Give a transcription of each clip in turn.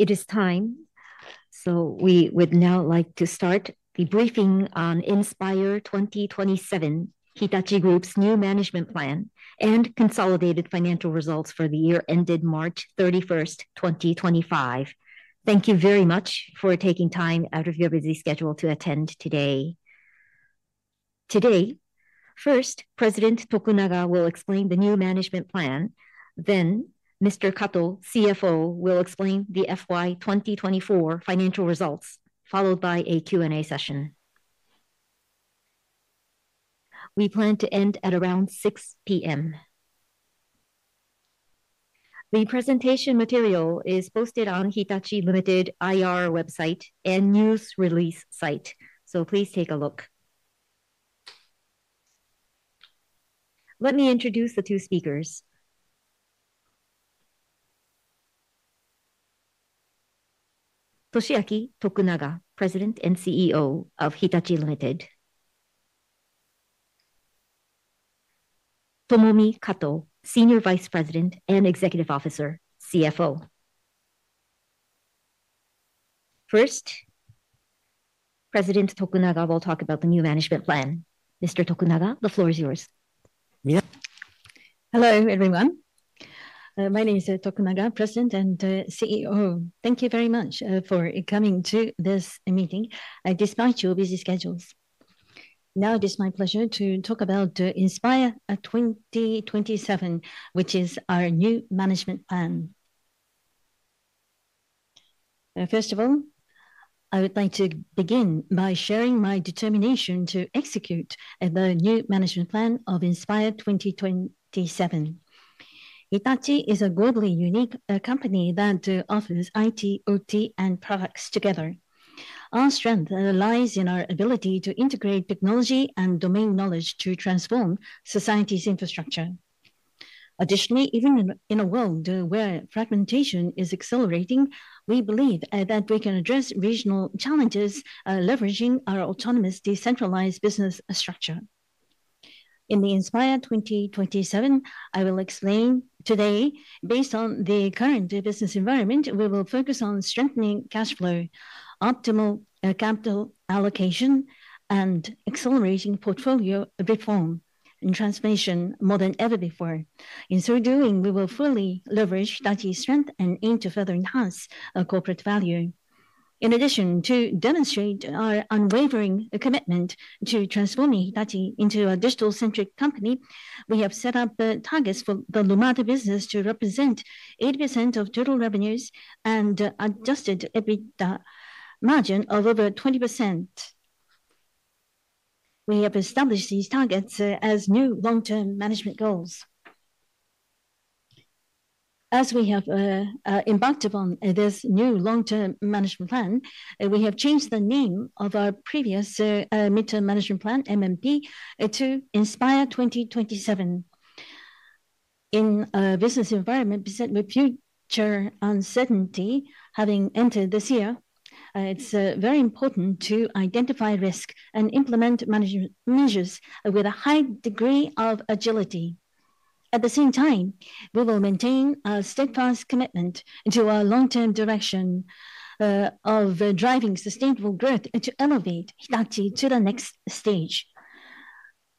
It is time, so we would now like to start the briefing on Inspire 2027, Hitachi Group's new management plan and consolidated financial results for the year ended March 31, 2025. Thank you very much for taking time out of your busy schedule to attend today. Today, first, President Tokunaga will explain the new management plan. Then, Mr. Kato, CFO, will explain the FY 2024 financial results, followed by a Q&A session. We plan to end at around 6:00 P.M. The presentation material is posted on Hitachi Limited IR website and news release site, so please take a look. Let me introduce the two speakers. Toshiaki Tokunaga, President and CEO of Hitachi Limited. Tomomi Kato, Senior Vice President and Executive Officer, CFO. First, President Tokunaga will talk about the new management plan. Mr. Tokunaga, the floor is yours. Hello, everyone. My name is Toshiaki Tokunaga, President and CEO. Thank you very much for coming to this meeting despite your busy schedules. Now it is my pleasure to talk about Inspire 2027, which is our new management plan. First of all, I would like to begin by sharing my determination to execute the new management plan of Inspire 2027. Hitachi is a globally unique company that offers IT, OT, and products together. Our strength lies in our ability to integrate technology and domain knowledge to transform society's infrastructure. Additionally, even in a world where fragmentation is accelerating, we believe that we can address regional challenges leveraging our autonomous decentralized business structure. In the Inspire 2027, I will explain today, based on the current business environment, we will focus on strengthening cash flow, optimal capital allocation, and accelerating portfolio reform and transformation more than ever before. In so doing, we will fully leverage Hitachi's strength and aim to further enhance our corporate value. In addition, to demonstrate our unwavering commitment to transforming Hitachi into a digital-centric company, we have set up targets for the Lumada business to represent 80% of total revenues and adjusted EBITDA margin of over 20%. We have established these targets as new long-term management goals. As we have embarked upon this new long-term management plan, we have changed the name of our previous midterm management plan, MMP, to Inspire 2027. In a business environment beset with future uncertainty, having entered this year, it's very important to identify risk and implement management measures with a high degree of agility. At the same time, we will maintain a steadfast commitment to our long-term direction of driving sustainable growth to elevate Hitachi to the next stage.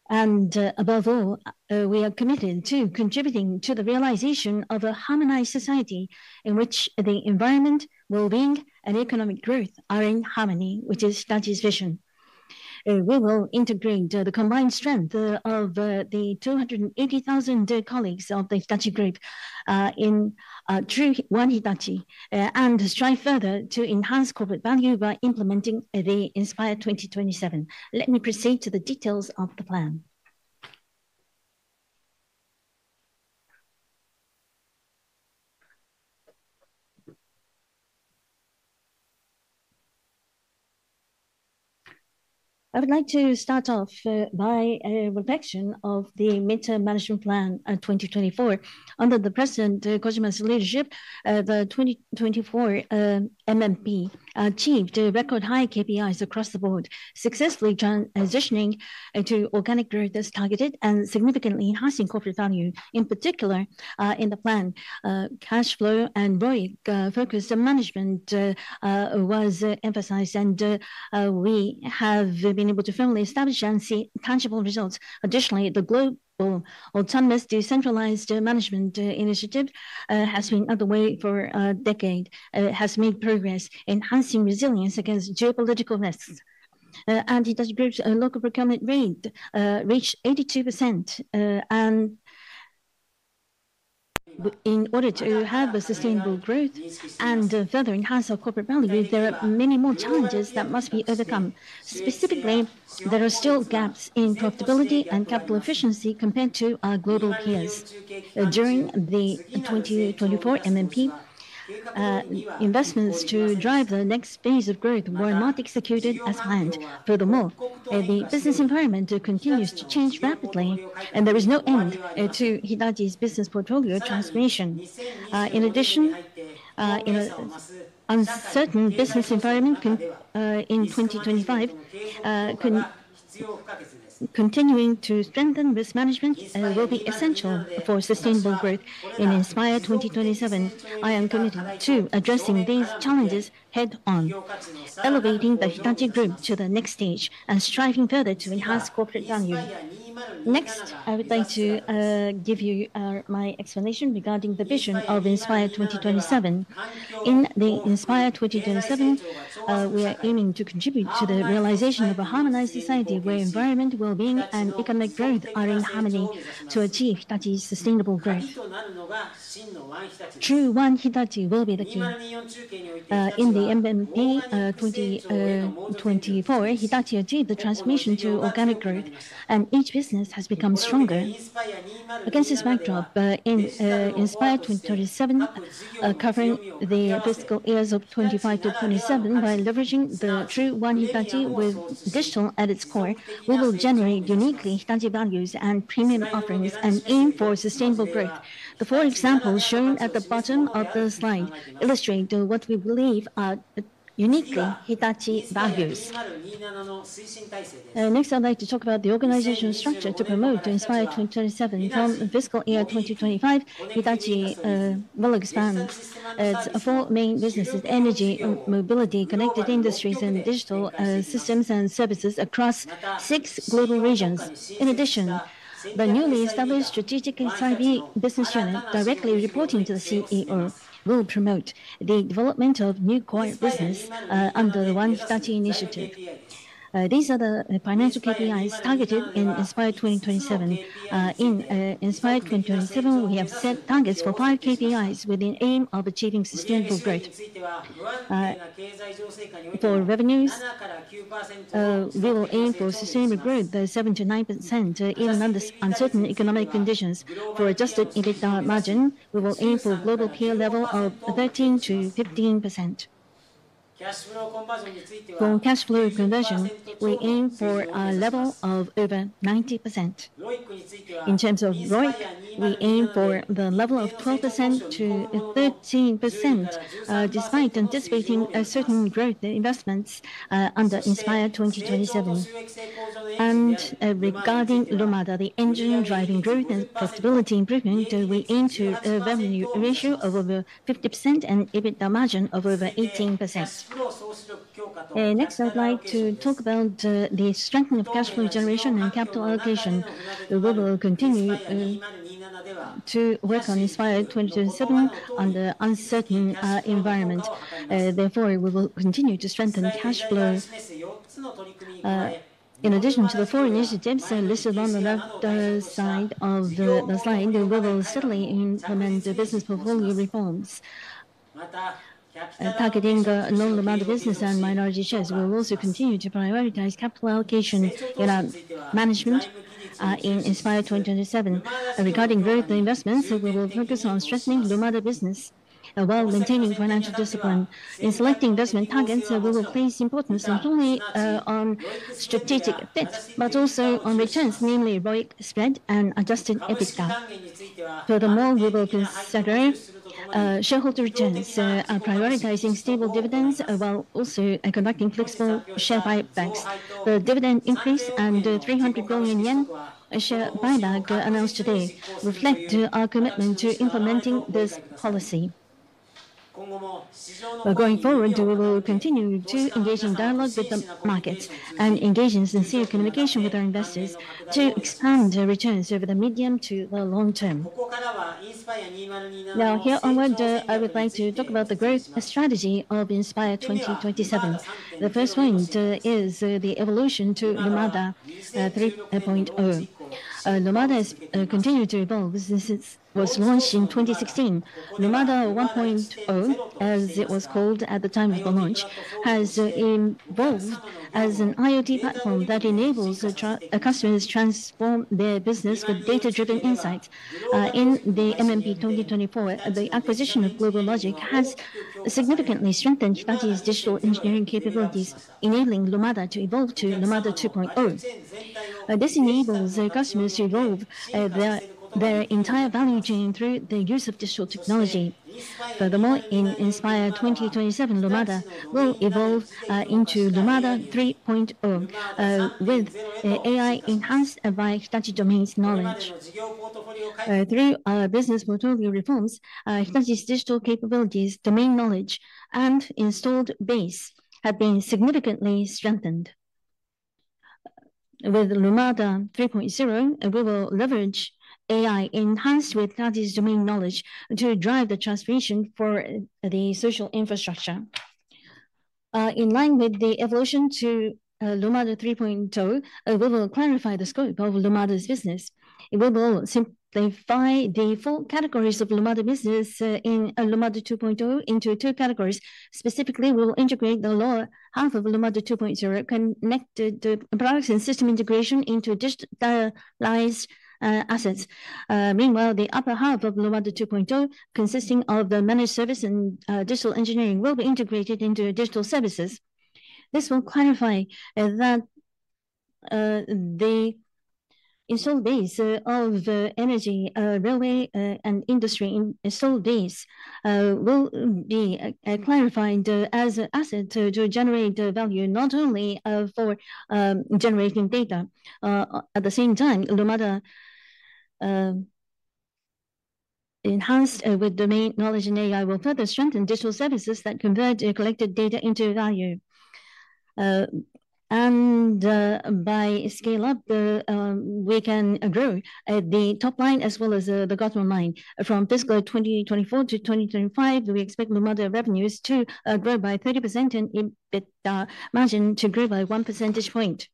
Above all, we are committed to contributing to the realization of a harmonized society in which the environment, well-being, and economic growth are in harmony, which is Hitachi's vision. We will integrate the combined strength of the 280,000 colleagues of the Hitachi Group in one Hitachi and strive further to enhance corporate value by implementing the Inspire 2027. Let me proceed to the details of the plan. I would like to start off by a reflection of the midterm management plan 2024. Under President Kojima's leadership, the 2024 MMP achieved record-high KPIs across the board, successfully transitioning to organic growth as targeted and significantly enhancing corporate value. In particular, in the plan, cash flow and ROIC-focused management was emphasized, and we have been able to firmly establish and see tangible results. Additionally, the global autonomous decentralized management initiative has been underway for a decade and has made progress, enhancing resilience against geopolitical risks. Hitachi Group's local procurement rate reached 82%. In order to have sustainable growth and further enhance our corporate value, there are many more challenges that must be overcome. Specifically, there are still gaps in profitability and capital efficiency compared to our global peers. During the 2024 MMP, investments to drive the next phase of growth were not executed as planned. Furthermore, the business environment continues to change rapidly, and there is no end to Hitachi's business portfolio transformation. In addition, an uncertain business environment in 2025, continuing to strengthen risk management, will be essential for sustainable growth in Inspire 2027. I am committed to addressing these challenges head-on, elevating the Hitachi Group to the next stage, and striving further to enhance corporate value. Next, I would like to give you my explanation regarding the vision of Inspire 2027. In the Inspire 2027, we are aiming to contribute to the realization of a harmonized society where environment, well-being, and economic growth are in harmony to achieve Hitachi's sustainable growth. True One Hitachi will be the key. In the MMP 2024, Hitachi achieved the transformation to organic growth, and each business has become stronger. Against this backdrop, in Inspire 2027, covering the fiscal years of 2025 to 2027, by leveraging the true One Hitachi with digital at its core, we will generate uniquely Hitachi values and premium offerings and aim for sustainable growth. The four examples shown at the bottom of the slide illustrate what we believe are uniquely Hitachi values. Next, I'd like to talk about the organizational structure to promote Inspire 2027. From fiscal year 2025, Hitachi will expand its four main businesses: energy, mobility, connected industries, and digital systems and services across six global regions. In addition, the newly established Strategic Insight Business Unit, directly reporting to the CEO, will promote the development of new core business under the One Hitachi initiative. These are the financial KPIs targeted in Inspire 2027. In Inspire 2027, we have set targets for five KPIs with the aim of achieving sustainable growth. For revenues, we will aim for sustainable growth by 7%-9% even under uncertain economic conditions. For adjusted EBITDA margin, we will aim for a global peer level of 13%-15%. For cash flow conversion, we aim for a level of over 90%. In terms of ROIC, we aim for the level of 12%-13%, despite anticipating certain growth investments under Inspire 2027. Regarding Lumada, the engine driving growth and profitability improvement, we aim to a revenue ratio of over 50% and EBITDA margin of over 18%. Next, I'd like to talk about the strengthening of cash flow generation and capital allocation. We will continue to work on Inspire 2027 under uncertain environments. Therefore, we will continue to strengthen cash flow. In addition to the four initiatives listed on the left side of the slide, we will steadily implement business portfolio reforms. Targeting non-Lumada business and minority shares, we will also continue to prioritize capital allocation in our management in Inspire 2027. Regarding growth investments, we will focus on strengthening Lumada business while maintaining financial discipline. In selecting investment targets, we will place importance not only on strategic fit but also on returns, namely ROIC spread and adjusted EBITDA. Furthermore, we will consider shareholder returns, prioritizing stable dividends while also conducting flexible share buybacks. The dividend increase and the 300 billion yen share buyback announced today reflect our commitment to implementing this policy. Going forward, we will continue to engage in dialogue with the markets and engage in sincere communication with our investors to expand returns over the medium to the long term. Now, here onward, I would like to talk about the growth strategy of Inspire 2027. The first point is the evolution to Lumada 3.0. Lumada has continued to evolve since it was launched in 2016. Lumada 1.0, as it was called at the time of the launch, has evolved as an IoT platform that enables customers to transform their business with data-driven insights. In the MMP 2024, the acquisition of Global Logic has significantly strengthened Hitachi's digital engineering capabilities, enabling Lumada to evolve to Lumada 2.0. This enables customers to evolve their entire value chain through the use of digital technology. Furthermore, in Inspire 2027, Lumada will evolve into Lumada 3.0 with AI enhanced by Hitachi domain's knowledge. Through our business portfolio reforms, Hitachi's digital capabilities, domain knowledge, and installed base have been significantly strengthened. With Lumada 3.0, we will leverage AI enhanced with Hitachi's domain knowledge to drive the transformation for the social infrastructure. In line with the evolution to Lumada 3.0, we will clarify the scope of Lumada's business. We will simplify the four categories of Lumada business in Lumada 2.0 into two categories. Specifically, we will integrate the lower half of Lumada 2.0, connected products and system integration, into digitalized assets. Meanwhile, the upper half of Lumada 2.0, consisting of the managed service and digital engineering, will be integrated into digital services. This will clarify that the installed base of energy, railway, and industry installed base will be clarified as an asset to generate value, not only for generating data. At the same time, Lumada, enhanced with domain knowledge and AI, will further strengthen digital services that convert collected data into value. By scale-up, we can grow at the top line as well as the bottom line. From fiscal 2024 to 2025, we expect Lumada revenues to grow by 30% and EBITDA margin to grow by one percentage point.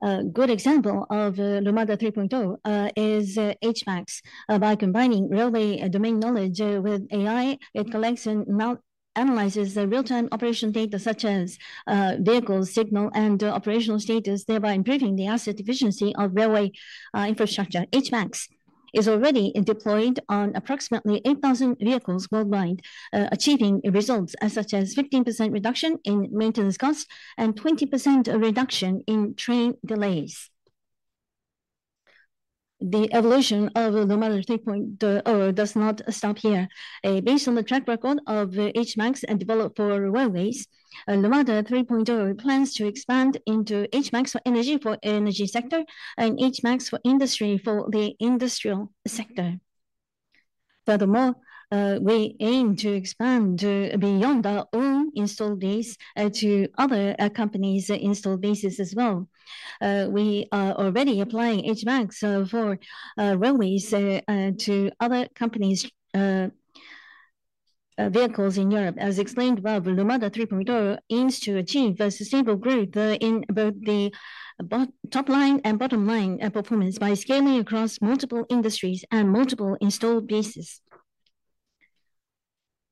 A good example of Lumada 3.0 is HMAX. By combining railway domain knowledge with AI, it collects and analyzes real-time operational data such as vehicle signal and operational status, thereby improving the asset efficiency of railway infrastructure. HMAX is already deployed on approximately 8,000 vehicles worldwide, achieving results such as a 15% reduction in maintenance costs and a 20% reduction in train delays. The evolution of Lumada 3.0 does not stop here. Based on the track record of HMAX and developed for railways, Lumada 3.0 plans to expand into HMAX for the energy sector and HMAX for industry for the industrial sector. Furthermore, we aim to expand beyond our own installed base to other companies' installed bases as well. We are already applying HMAX for railways to other companies' vehicles in Europe. As explained above, Lumada 3.0 aims to achieve sustainable growth in both the top line and bottom line performance by scaling across multiple industries and multiple installed bases.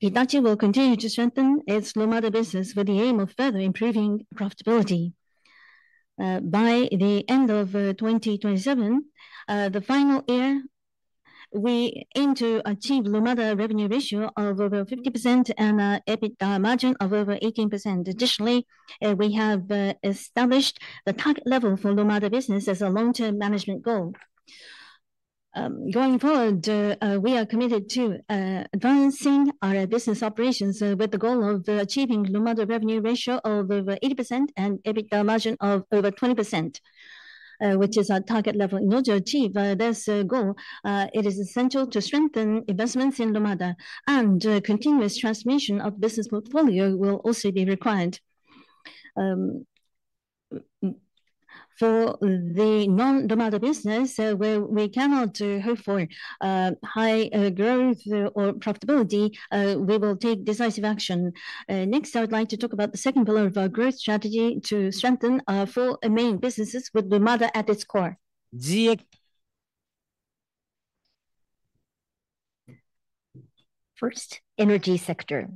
Hitachi will continue to strengthen its Lumada business with the aim of further improving profitability. By the end of 2027, the final year, we aim to achieve Lumada revenue ratio of over 50% and an EBITDA margin of over 18%. Additionally, we have established the target level for Lumada business as a long-term management goal. Going forward, we are committed to advancing our business operations with the goal of achieving Lumada revenue ratio of over 80% and EBITDA margin of over 20%, which is our target level. In order to achieve this goal, it is essential to strengthen investments in Lumada, and continuous transition of the business portfolio will also be required. For the non-Lumada business, where we cannot hope for high growth or profitability, we will take decisive action. Next, I would like to talk about the second pillar of our growth strategy to strengthen our four main businesses with Lumada at its core. First, energy sector.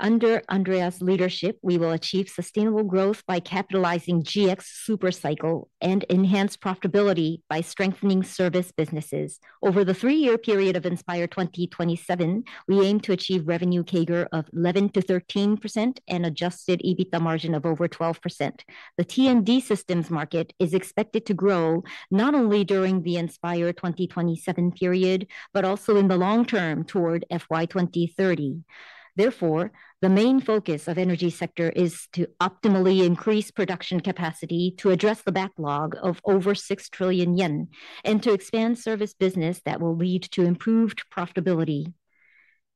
Under Andreas's leadership, we will achieve sustainable growth by capitalizing on the GX Super Cycle and enhance profitability by strengthening service businesses. Over the three-year period of Inspire 2027, we aim to achieve revenue CAGR of 11%-13% and adjusted EBITDA margin of over 12%. The T&D systems market is expected to grow not only during the Inspire 2027 period but also in the long term toward FY 2030. Therefore, the main focus of the energy sector is to optimally increase production capacity to address the backlog of over 6 trillion yen and to expand service business that will lead to improved profitability.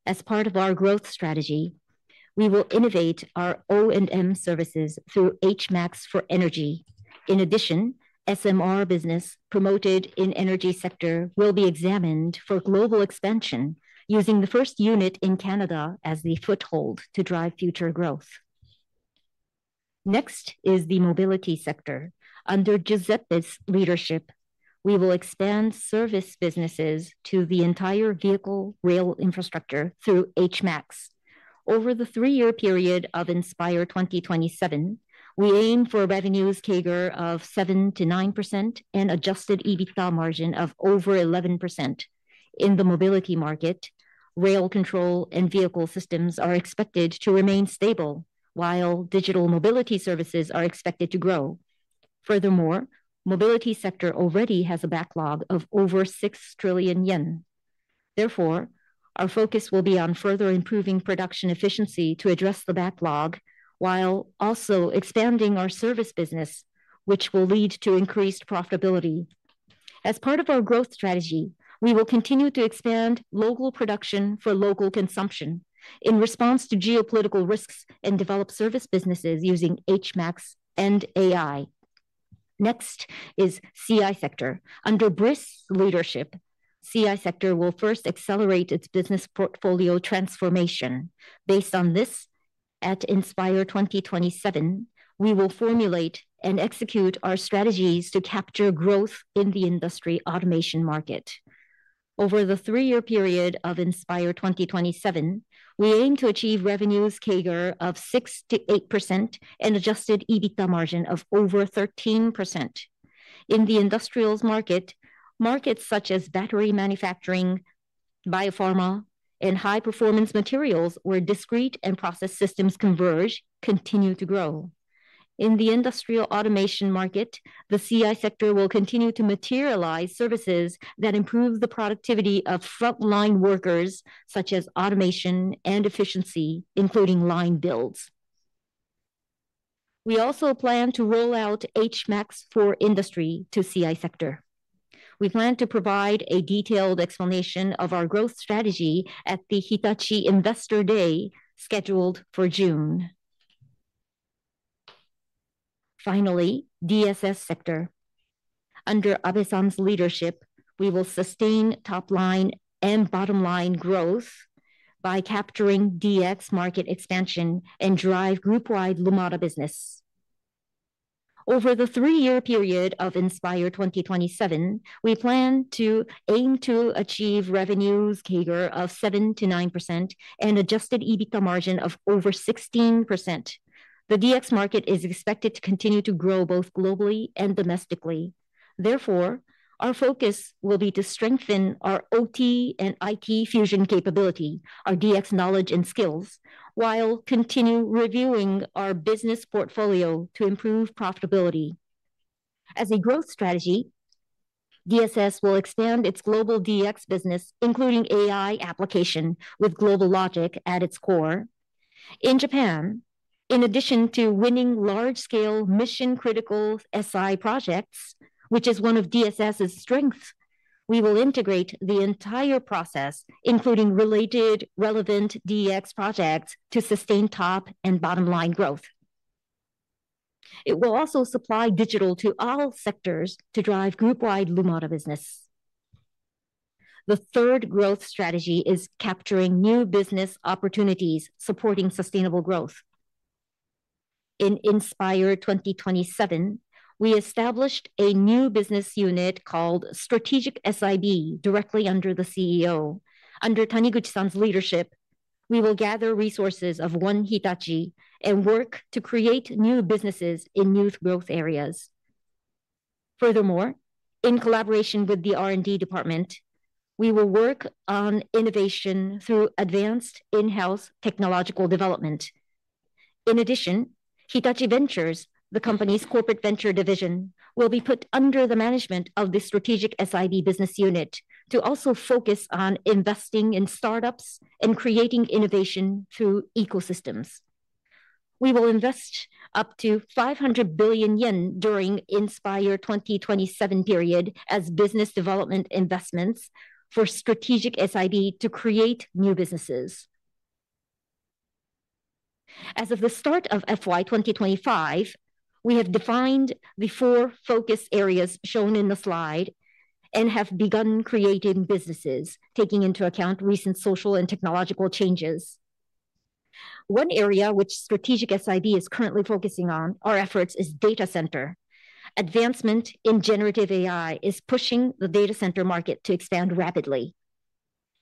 As part of our growth strategy, we will innovate our O&M services through HMAX for energy. In addition, SMR business promoted in the energy sector will be examined for global expansion, using the first unit in Canada as the foothold to drive future growth. Next is the mobility sector. Under Giuseppe's leadership, we will expand service businesses to the entire vehicle rail infrastructure through HMAX. Over the three-year period of Inspire 2027, we aim for revenues CAGR of 7%-9% and adjusted EBITDA margin of over 11%. In the mobility market, rail control and vehicle systems are expected to remain stable, while digital mobility services are expected to grow. Furthermore, the mobility sector already has a backlog of over 6 trillion yen. Therefore, our focus will be on further improving production efficiency to address the backlog while also expanding our service business, which will lead to increased profitability. As part of our growth strategy, we will continue to expand local production for local consumption in response to geopolitical risks and develop service businesses using HMAX and AI. Next is the CI sector. Under Breeze leadership, the CI sector will first accelerate its business portfolio transformation. Based on this, at Inspire 2027, we will formulate and execute our strategies to capture growth in the industry automation market. Over the three-year period of Inspire 2027, we aim to achieve revenues CAGR of 6%-8% and adjusted EBITDA margin of over 13%. In the industrials market, markets such as battery manufacturing, biopharma, and high-performance materials where discrete and process systems converge continue to grow. In the industrial automation market, the CI sector will continue to materialize services that improve the productivity of frontline workers such as automation and efficiency, including line builds. We also plan to roll out HMAX for industry to the CI sector. We plan to provide a detailed explanation of our growth strategy at the Hitachi Investor Day scheduled for June. Finally, the DSS sector. Under Amazon's leadership, we will sustain top line and bottom line growth by capturing DX market expansion and drive group-wide Lumada business. Over the three-year period of Inspire 2027, we plan to aim to achieve revenues CAGR of 7%-9% and adjusted EBITDA margin of over 16%. The DX market is expected to continue to grow both globally and domestically. Therefore, our focus will be to strengthen our OT and IT fusion capability, our DX knowledge and skills, while continue reviewing our business portfolio to improve profitability. As a growth strategy, DSS will expand its global DX business, including AI application with Global Logic at its core. In Japan, in addition to winning large-scale mission-critical SI projects, which is one of DSS's strengths, we will integrate the entire process, including related relevant DX projects, to sustain top and bottom line growth. It will also supply digital to all sectors to drive group-wide Lumada business. The third growth strategy is capturing new business opportunities, supporting sustainable growth. In Inspire 2027, we established a new business unit called Strategic SIB directly under the CEO. Under Taniguchi-san's leadership, we will gather resources of One Hitachi and work to create new businesses in new growth areas. Furthermore, in collaboration with the R&D department, we will work on innovation through advanced in-house technological development. In addition, Hitachi Ventures, the company's corporate venture division, will be put under the management of the Strategic SIB business unit to also focus on investing in startups and creating innovation through ecosystems. We will invest up to 500 billion yen during the Inspire 2027 period as business development investments for Strategic SIB to create new businesses. As of the start of FY 2025, we have defined the four focus areas shown in the slide and have begun creating businesses, taking into account recent social and technological changes. One area which Strategic SIB is currently focusing on, our efforts, is data center. Advancement in generative AI is pushing the data center market to expand rapidly.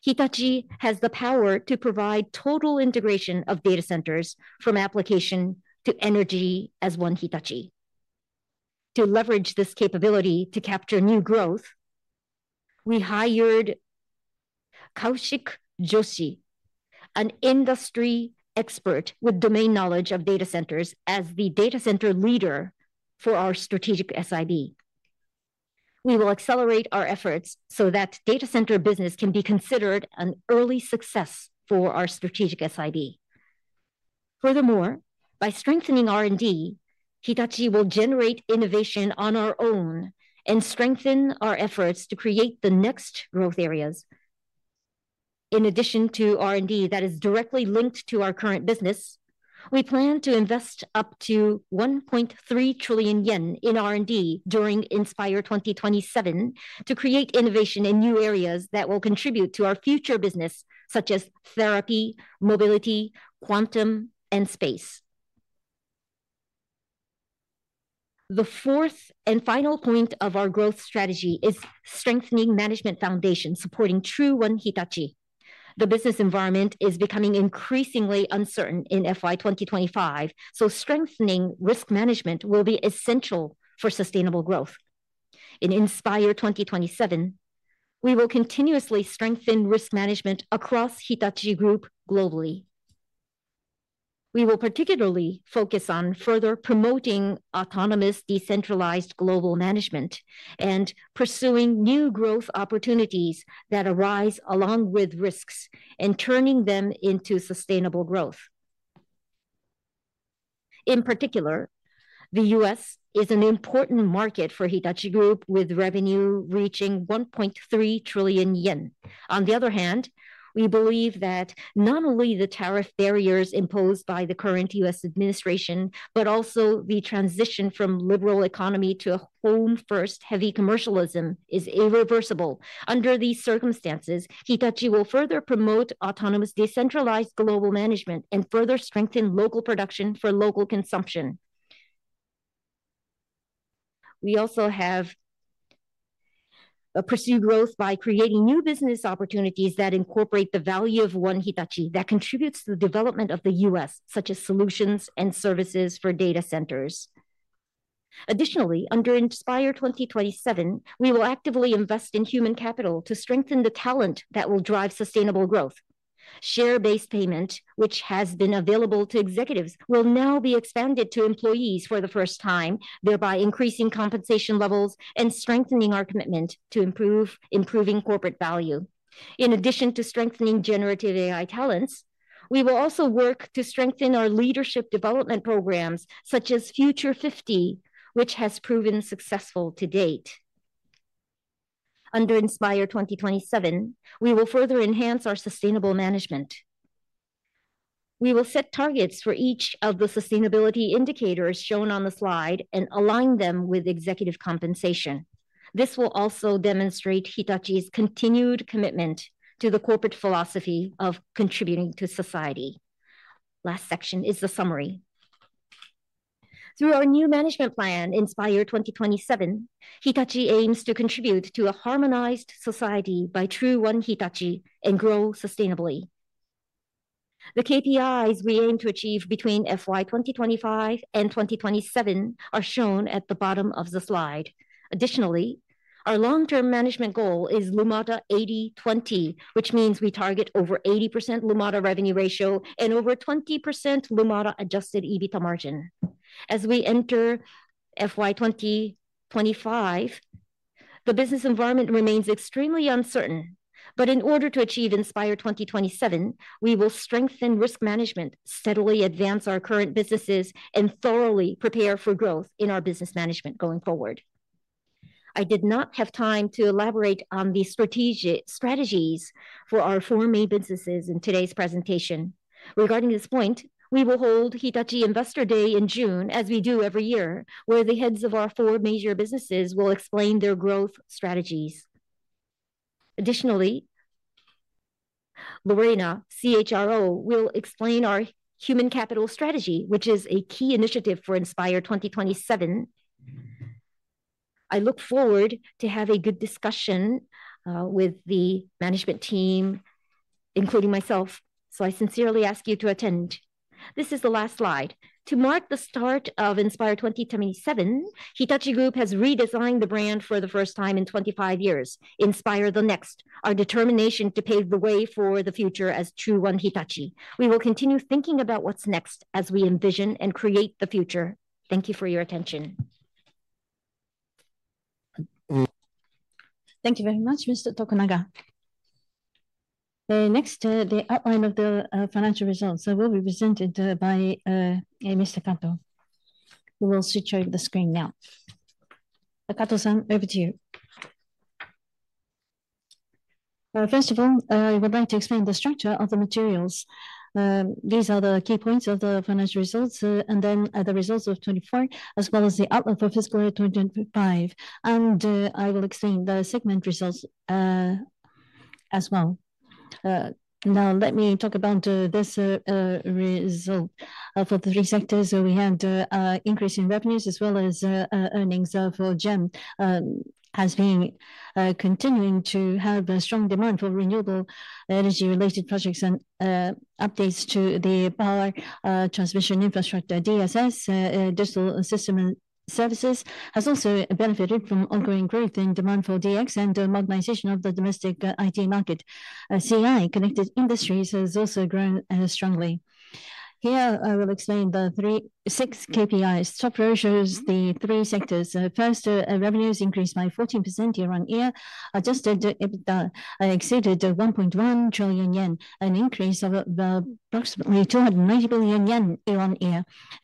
Hitachi has the power to provide total integration of data centers from application to energy as One Hitachi. To leverage this capability to capture new growth, we hired Kaushik Joshi, an industry expert with domain knowledge of data centers, as the data center leader for our Strategic SIB. We will accelerate our efforts so that data center business can be considered an early success for our Strategic SIB. Furthermore, by strengthening R&D, Hitachi will generate innovation on our own and strengthen our efforts to create the next growth areas. In addition to R&D that is directly linked to our current business, we plan to invest up to 1.3 trillion yen in R&D during Inspire 2027 to create innovation in new areas that will contribute to our future business, such as therapy, mobility, quantum, and space. The fourth and final point of our growth strategy is strengthening management foundations supporting true One Hitachi. The business environment is becoming increasingly uncertain in FY 2025, so strengthening risk management will be essential for sustainable growth. In Inspire 2027, we will continuously strengthen risk management across Hitachi Group globally. We will particularly focus on further promoting autonomous decentralized global management and pursuing new growth opportunities that arise along with risks and turning them into sustainable growth. In particular, the U.S. is an important market for Hitachi Group, with revenue reaching 1.3 trillion yen. On the other hand, we believe that not only the tariff barriers imposed by the current U.S. administration, but also the transition from a liberal economy to home-first heavy commercialism is irreversible. Under these circumstances, Hitachi will further promote autonomous decentralized global management and further strengthen local production for local consumption. We also have pursued growth by creating new business opportunities that incorporate the value of One Hitachi that contributes to the development of the U.S., such as solutions and services for data centers. Additionally, under Inspire 2027, we will actively invest in human capital to strengthen the talent that will drive sustainable growth. Share-based payment, which has been available to executives, will now be expanded to employees for the first time, thereby increasing compensation levels and strengthening our commitment to improving corporate value. In addition to strengthening generative AI talents, we will also work to strengthen our leadership development programs, such as future 50, which has proven successful to date. Under Inspire 2027, we will further enhance our sustainable management. We will set targets for each of the sustainability indicators shown on the slide and align them with executive compensation. This will also demonstrate Hitachi's continued commitment to the corporate philosophy of contributing to society. Last section is the summary. Through our new management plan, Inspire 2027, Hitachi aims to contribute to a harmonized society by true One Hitachi and grow sustainably. The KPIs we aim to achieve between FY 2025 and 2027 are shown at the bottom of the slide. Additionally, our long-term management goal is Lumada 80/20, which means we target over 80% Lumada revenue ratio and over 20% Lumada adjusted EBITDA margin. As we enter FY 2025, the business environment remains extremely uncertain, but in order to achieve Inspire 2027, we will strengthen risk management, steadily advance our current businesses, and thoroughly prepare for growth in our business management going forward. I did not have time to elaborate on the strategies for our four main businesses in today's presentation. Regarding this point, we will hold Hitachi Investor Day in June, as we do every year, where the heads of our four major businesses will explain their growth strategies. Additionally, Lorena, CHRO, will explain our human capital strategy, which is a key initiative for Inspire 2027. I look forward to having a good discussion with the management team, including myself, so I sincerely ask you to attend. This is the last slide. To mark the start of Inspire 2027, Hitachi Group has redesigned the brand for the first time in 25 years. Inspire the next, our determination to pave the way for the future as true One Hitachi. We will continue thinking about what's next as we envision and create the future. Thank you for your attention. Thank you very much, Mr. Tokunaga. Next, the outline of the financial results will be presented by Mr. Kato, who will switch over the screen now. Kato-san, over to you. First of all, I would like to explain the structure of the materials. These are the key points of the financial results and then the results of 2024, as well as the outlook for fiscal year 2025. I will explain the segment results as well. Now, let me talk about this result for the three sectors. We had an increase in revenues, as well as earnings for GEM, has been continuing to have a strong demand for renewable energy-related projects and updates to the power transmission infrastructure. DSS, Digital Systems and Services, has also benefited from ongoing growth in demand for DX and modernization of the domestic IT market. CI, Connected Industries, has also grown strongly. Here, I will explain the three six KPIs. Top row shows the three sectors. First, revenues increased by 14% year-on-year, adjusted EBITDA exceeded 1.1 trillion yen, an increase of approximately 290 billion yen year-on-year.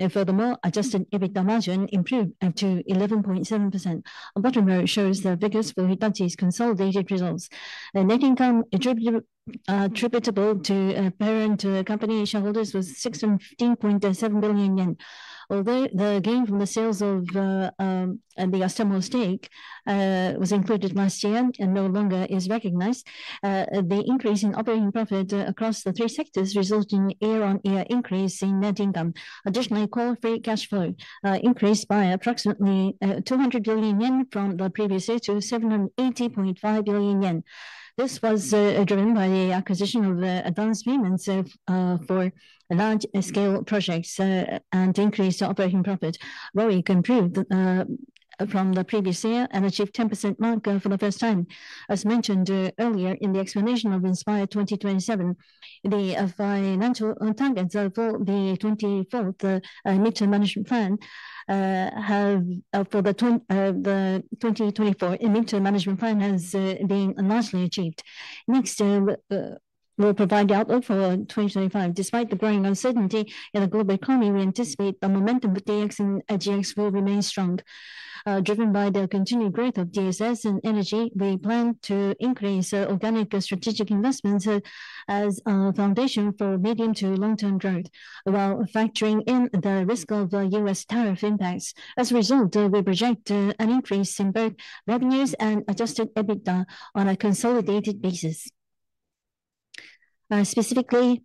Furthermore, adjusted EBITDA margin improved to 11.7%. Bottom row shows the biggest for Hitachi's consolidated results. Net income attributable to parent company shareholders was 615.7 billion yen. Although the gain from the sales of the ASTEMO stake was included last year and no longer is recognized, the increase in operating profit across the three sectors resulted in a year-on-year increase in net income. Additionally, core free cash flow increased by approximately 200 billion yen from the previous year to 780.5 billion yen. This was driven by the acquisition of advanced payments for large-scale projects and increased operating profit. ROIC improved from the previous year and achieved a 10% mark for the first time. As mentioned earlier in the explanation of Inspire 2027, the financial targets for the 2024 Midterm Management Plan have been largely achieved. Next, we'll provide the outlook for 2025. Despite the growing uncertainty in the global economy, we anticipate the momentum of DX and GX will remain strong. Driven by the continued growth of DSS and energy, we plan to increase organic strategic investments as a foundation for medium to long-term growth, while factoring in the risk of U.S. tariff impacts. As a result, we project an increase in both revenues and adjusted EBITDA on a consolidated basis. Specifically,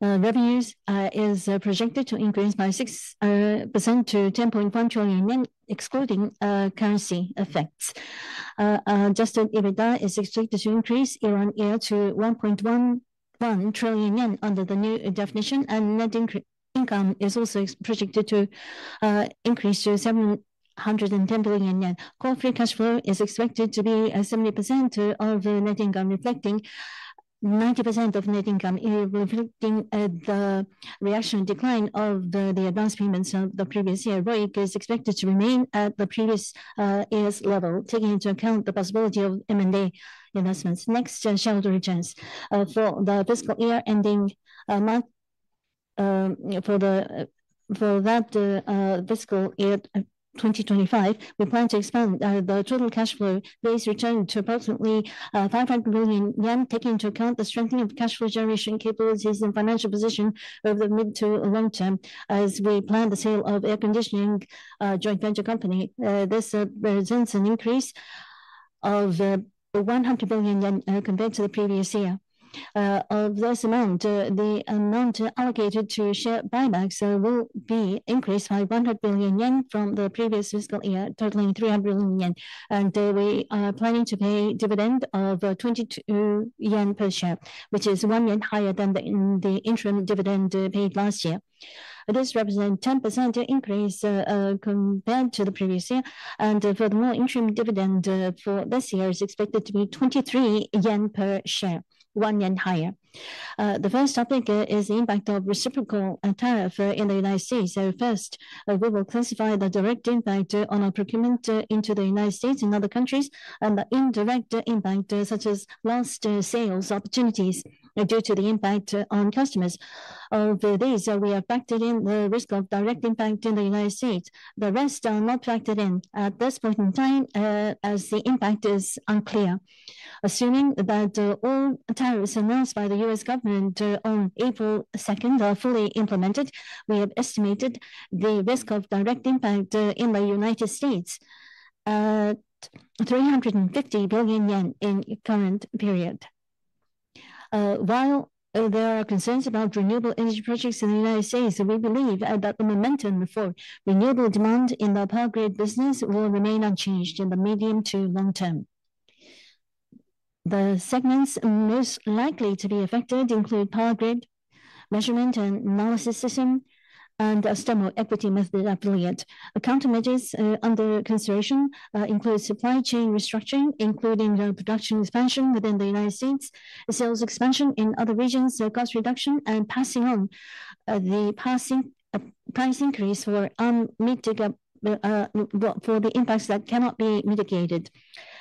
revenues are projected to increase by 6% to 10.1 trillion, excluding currency effects. Adjusted EBITDA is expected to increase year-on-year to 1.1 trillion yen under the new definition, and net income is also projected to increase to 710 billion yen. Core free cash flow is expected to be 70% of net income, reflecting 90% of net income, reflecting the reaction decline of the advanced payments of the previous year. ROIC is expected to remain at the previous year's level, taking into account the possibility of M&A investments. Next, shareholder returns. For the fiscal year ending month, for that fiscal year 2025, we plan to expand the total cash flow base return to approximately 500 billion yen, taking into account the strengthening of cash flow generation capabilities and financial position over the mid to long term. As we plan the sale of air conditioning joint venture company, this represents an increase of 100 billion yen compared to the previous year. Of this amount, the amount allocated to share buybacks will be increased by 100 billion yen from the previous fiscal year, totaling 300 billion yen. We are planning to pay a dividend of 22 yen per share, which is one yen higher than the interim dividend paid last year. This represents a 10% increase compared to the previous year. Furthermore, interim dividend for this year is expected to be 23 yen per share, one yen higher. The first topic is the impact of reciprocal tariff in the United States. First, we will classify the direct impact on our procurement into United States. and other countries and the indirect impact, such as lost sales opportunities due to the impact on customers. Of these, we are factored in the risk of direct impact in the United States. The rest are not factored in at this point in time as the impact is unclear. Assuming that all tariffs announced by the U.S. government on April second are fully implemented, we have estimated the risk of direct impact in United States at 350 billion yen in the current period. While there are concerns about renewable energy projects in the U.S., we believe that the momentum for renewable demand in the power grid business will remain unchanged in the medium to long term. The segments most likely to be affected include power grid measurement and analysis system and ASTEMO equity method affiliate. Accounting measures under consideration include supply chain restructuring, including production expansion within the United States, sales expansion in other regions, cost reduction, and passing on the price increase for the impacts that cannot be mitigated.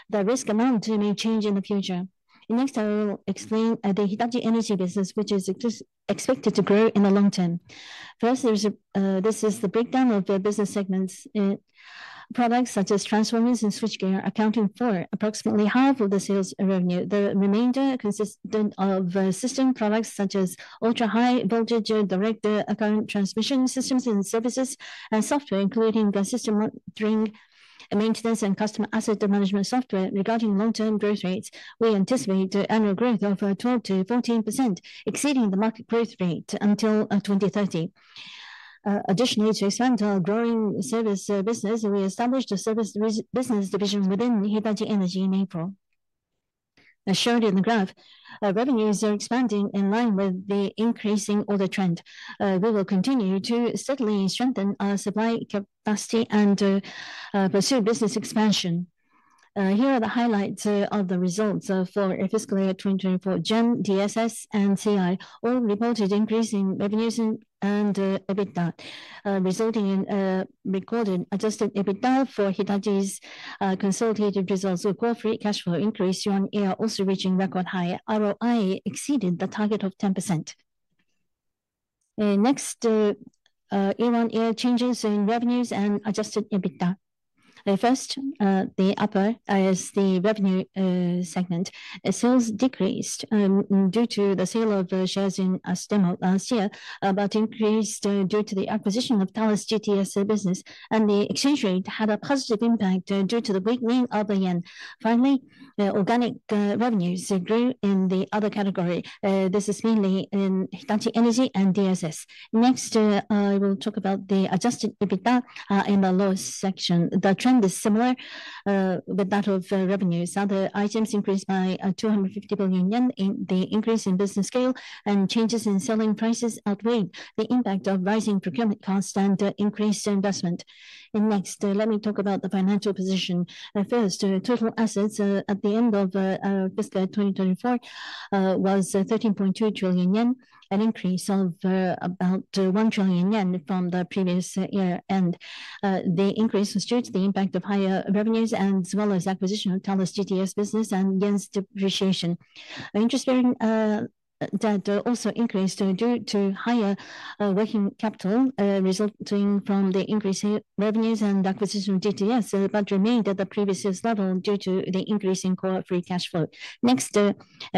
The risk amount may change in the future. Next, I will explain the Hitachi Energy business, which is expected to grow in the long term. First, this is the breakdown of the business segments. Products such as transformers and switchgear accounting for approximately half of the sales revenue. The remainder consists of system products such as ultra-high voltage direct current transmission systems and services and software, including system monitoring, maintenance, and customer asset management software. Regarding long-term growth rates, we anticipate annual growth of 12%-14%, exceeding the market growth rate until 2030. Additionally, to expand our growing service business, we established a service business division within Hitachi Energy in April. As shown in the graph, revenues are expanding in line with the increasing order trend. We will continue to steadily strengthen our supply capacity and pursue business expansion. Here are the highlights of the results for fiscal year 2024. GEM, DSS, and CI all reported increasing revenues and EBITDA, resulting in recorded adjusted EBITDA for Hitachi's consolidated results. Core free cash flow increased year-on-year, also reaching record high. ROI exceeded the target of 10%. Next, year-on-year changes in revenues and adjusted EBITDA. First, the upper is the revenue segment. Sales decreased due to the sale of shares in ASTEMO last year, but increased due to the acquisition of TALOS GTS business. The exchange rate had a positive impact due to the weakening of the yen. Finally, organic revenues grew in the other category. This is mainly in Hitachi Energy and DSS. Next, I will talk about the adjusted EBITDA in the lowest section. The trend is similar with that of revenues. Other items increased by 250 billion yen in the increase in business scale, and changes in selling prices outweighed the impact of rising procurement costs and increased investment. Next, let me talk about the financial position. First, total assets at the end of fiscal year 2024 was 13.2 trillion yen, an increase of about 1 trillion yen from the previous year. The increase was due to the impact of higher revenues as well as acquisition of TALOS GTS business and yen's depreciation. Interest bearing debt also increased due to higher working capital resulting from the increase in revenues and acquisition of TALOS GTS, but remained at the previous level due to the increase in core free cash flow. Next,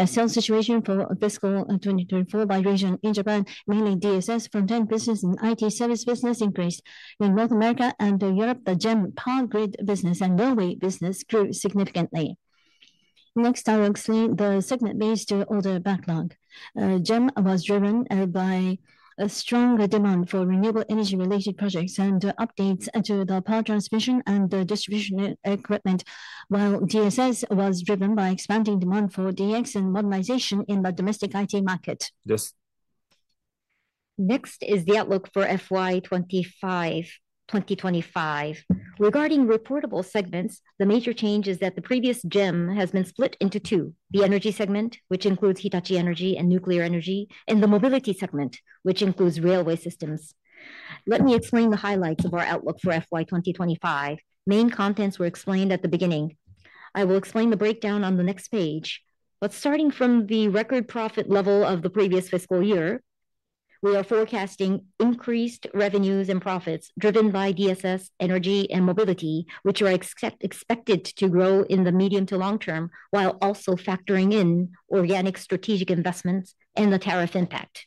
sales situation for fiscal 2024 by region. In Japan, mainly DSS, front-end business and IT service business increased. In North America and Europe, the Hitachi Energy power grid business and railway business grew significantly. Next, I will explain the segment-based order backlog. Hitachi Energy was driven by a strong demand for renewable energy-related projects and updates to the power transmission and distribution equipment, while DSS was driven by expanding demand for DX and modernization in the domestic IT market. Yes. Next is the outlook for FY 2025. Regarding reportable segments, the major change is that the previous gem has been split into two: the energy segment, which includes Hitachi Energy and nuclear energy, and the mobility segment, which includes railway systems. Let me explain the highlights of our outlook for FY 2025. Main contents were explained at the beginning. I will explain the breakdown on the next page. Starting from the record profit level of the previous fiscal year, we are forecasting increased revenues and profits driven by DSS, energy, and mobility, which are expected to grow in the medium to long term, while also factoring in organic strategic investments and the tariff impact.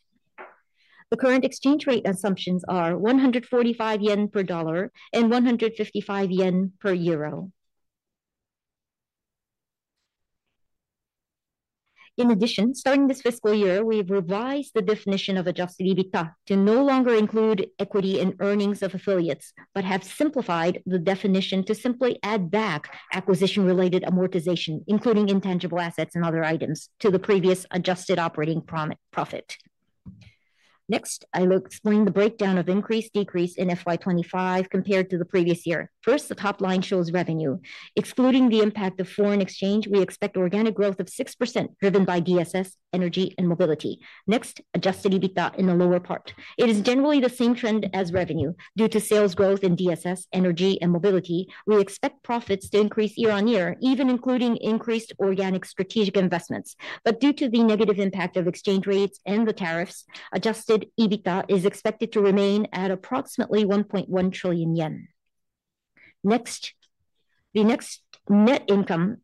The current exchange rate assumptions are $1 = 145 yen and EUR 1 = JPY 155. In addition, starting this fiscal year, we've revised the definition of adjusted EBITDA to no longer include equity in earnings of affiliates, but have simplified the definition to simply add back acquisition-related amortization, including intangible assets and other items, to the previous adjusted operating profit. Next, I will explain the breakdown of increase-decrease in FY 2025 compared to the previous year. First, the top line shows revenue. Excluding the impact of foreign exchange, we expect organic growth of 6% driven by DSS, energy, and mobility. Next, adjusted EBITDA in the lower part. It is generally the same trend as revenue. Due to sales growth in DSS, energy, and mobility, we expect profits to increase year-on-year, even including increased organic strategic investments. However, due to the negative impact of exchange rates and the tariffs, adjusted EBITDA is expected to remain at approximately 1.1 trillion yen. Next, the next net income,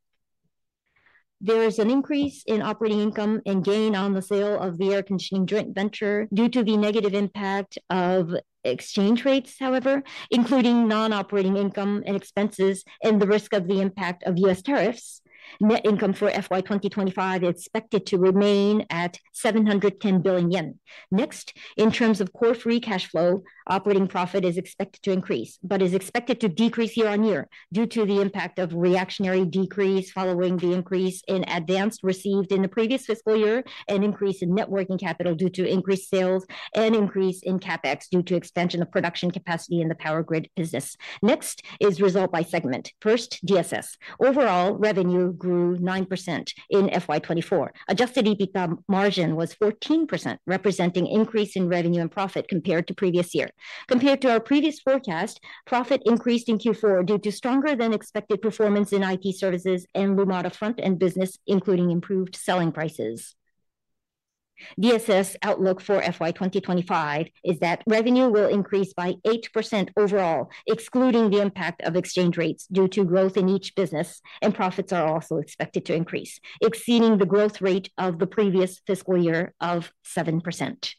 there is an increase in operating income and gain on the sale of the air conditioning joint venture due to the negative impact of exchange rates. However, including non-operating income and expenses and the risk of the impact of U.S. tariffs, net income for FY 2025 is expected to remain at 710 billion yen. Next, in terms of core free cash flow, operating profit is expected to increase, but is expected to decrease year-on-year due to the impact of reactionary decrease following the increase in advance received in the previous fiscal year and increase in networking capital due to increased sales and increase in CapEx due to expansion of production capacity in the power grid business. Next is result by segment. First, DSS. Overall, revenue grew 9% in FY 2024. Adjusted EBITDA margin was 14%, representing increase in revenue and profit compared to previous year. Compared to our previous forecast, profit increased in Q4 due to stronger-than-expected performance in IT services and Lumada front-end business, including improved selling prices. DSS outlook for FY 2025 is that revenue will increase by 8% overall, excluding the impact of exchange rates due to growth in each business, and profits are also expected to increase, exceeding the growth rate of the previous fiscal year of 7%.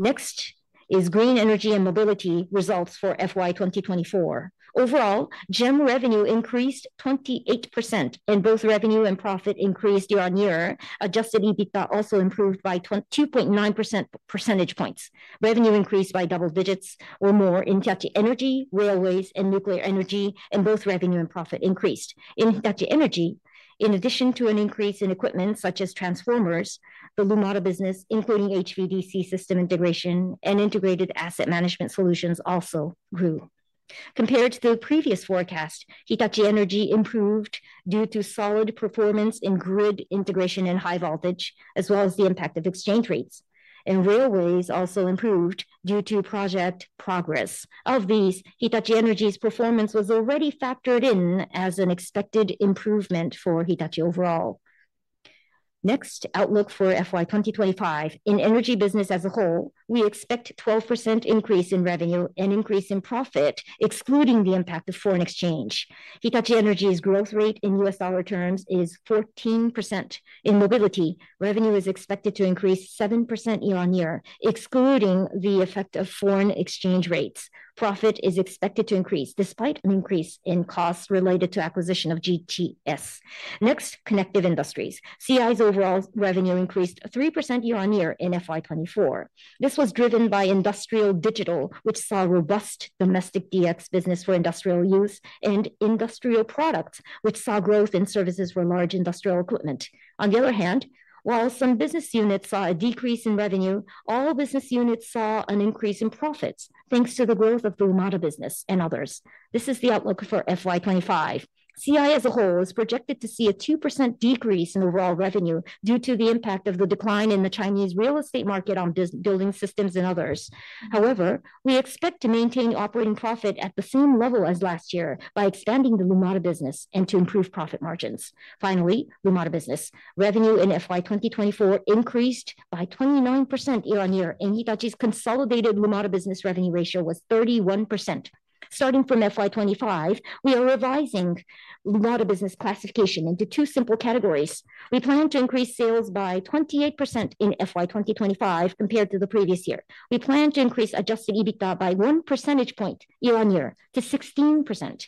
Next is green energy and mobility results for FY 2024. Overall, GEM revenue increased 28%, and both revenue and profit increased year-on-year. Adjusted EBITDA also improved by 2.9 percentage points. Revenue increased by double digits or more in Hitachi Energy, railways, and nuclear energy, and both revenue and profit increased. In Hitachi Energy, in addition to an increase in equipment such as transformers, the Lumada business, including HVDC system integration and integrated asset management solutions, also grew. Compared to the previous forecast, Hitachi Energy improved due to solid performance in grid integration and high voltage, as well as the impact of exchange rates. Railways also improved due to project progress. Of these, Hitachi Energy's performance was already factored in as an expected improvement for Hitachi overall. Next, outlook for FY 2025. In energy business as a whole, we expect a 12% increase in revenue and increase in profit, excluding the impact of foreign exchange. Hitachi Energy's growth rate in U.S. dollar terms is 14%. In mobility, revenue is expected to increase 7% year-on-year, excluding the effect of foreign exchange rates. Profit is expected to increase despite an increase in costs related to acquisition of GTS. Next, Connected Industries. CI's overall revenue increased 3% year-on-year in FY 2024. This was driven by industrial digital, which saw robust domestic DX business for industrial use, and industrial products, which saw growth in services for large industrial equipment. On the other hand, while some business units saw a decrease in revenue, all business units saw an increase in profits, thanks to the growth of the Lumada business and others. This is the outlook for FY 2025. CI as a whole is projected to see a 2% decrease in overall revenue due to the impact of the decline in the Chinese real estate market on building systems and others. However, we expect to maintain operating profit at the same level as last year by expanding the Lumada business and to improve profit margins. Finally, Lumada business revenue in FY 2024 increased by 29% year-on-year, and Hitachi's consolidated Lumada business revenue ratio was 31%. Starting from FY 2025, we are revising Lumada business classification into two simple categories. We plan to increase sales by 28% in FY 2025 compared to the previous year. We plan to increase adjusted EBITDA by one percentage point year-on-year to 16%.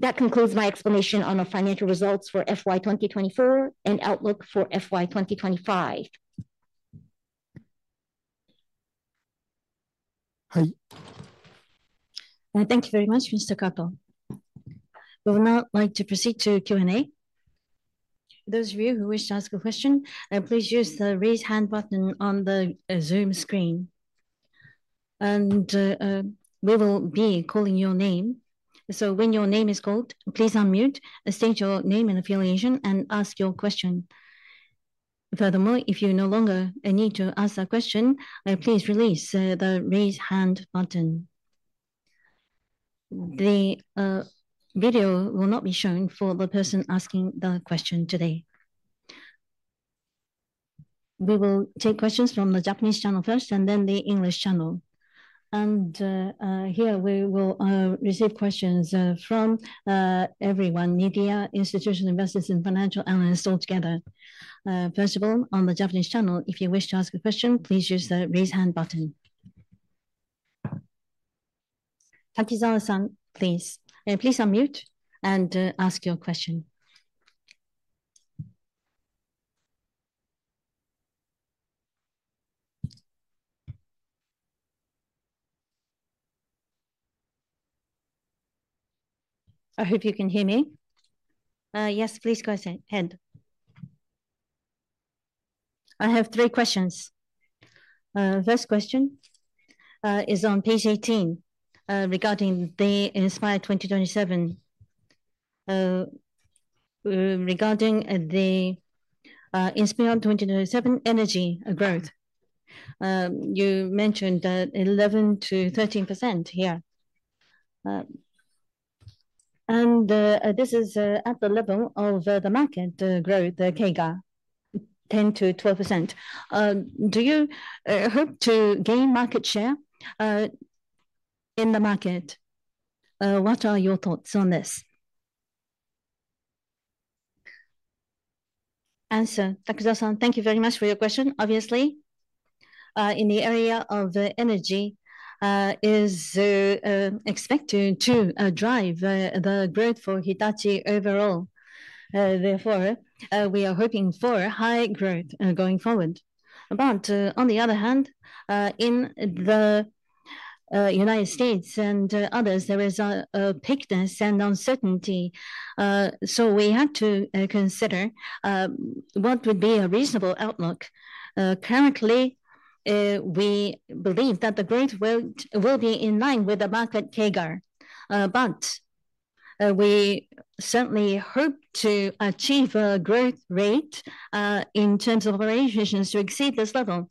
That concludes my explanation on our financial results for FY 2024 and outlook for FY 2025. Hi. Thank you very much, Mr. Kato. We would now like to proceed to Q&A. Those of you who wish to ask a question, please use the raise hand button on the Zoom screen. We will be calling your name. When your name is called, please unmute, state your name and affiliation, and ask your question. Furthermore, if you no longer need to ask a question, please release the raise hand button. The video will not be shown for the person asking the question today. We will take questions from the Japanese channel first and then the English channel. Here we will receive questions from everyone, media, institutional investors, and financial analysts altogether. First of all, on the Japanese channel, if you wish to ask a question, please use the raise hand button. Ezawa-san, please. Please unmute and ask your question. I hope you can hear me. Yes, please go ahead. I have three questions. First question is on page 18 regarding the Inspire 2027. Regarding the Inspire 2027 energy growth, you mentioned 11%-13% here. This is at the level of the market growth, the CAGR, 10%-12%. Do you hope to gain market share in the market? What are your thoughts on this? Answer, Takizawa-san, thank you very much for your question. Obviously, in the area of energy, it is expected to drive the growth for Hitachi overall. Therefore, we are hoping for high growth going forward. On the other hand, in the United States and others, there is a pickiness and uncertainty. We have to consider what would be a reasonable outlook. Currently, we believe that the growth will be in line with the market CAGR. We certainly hope to achieve a growth rate in terms of operations to exceed this level.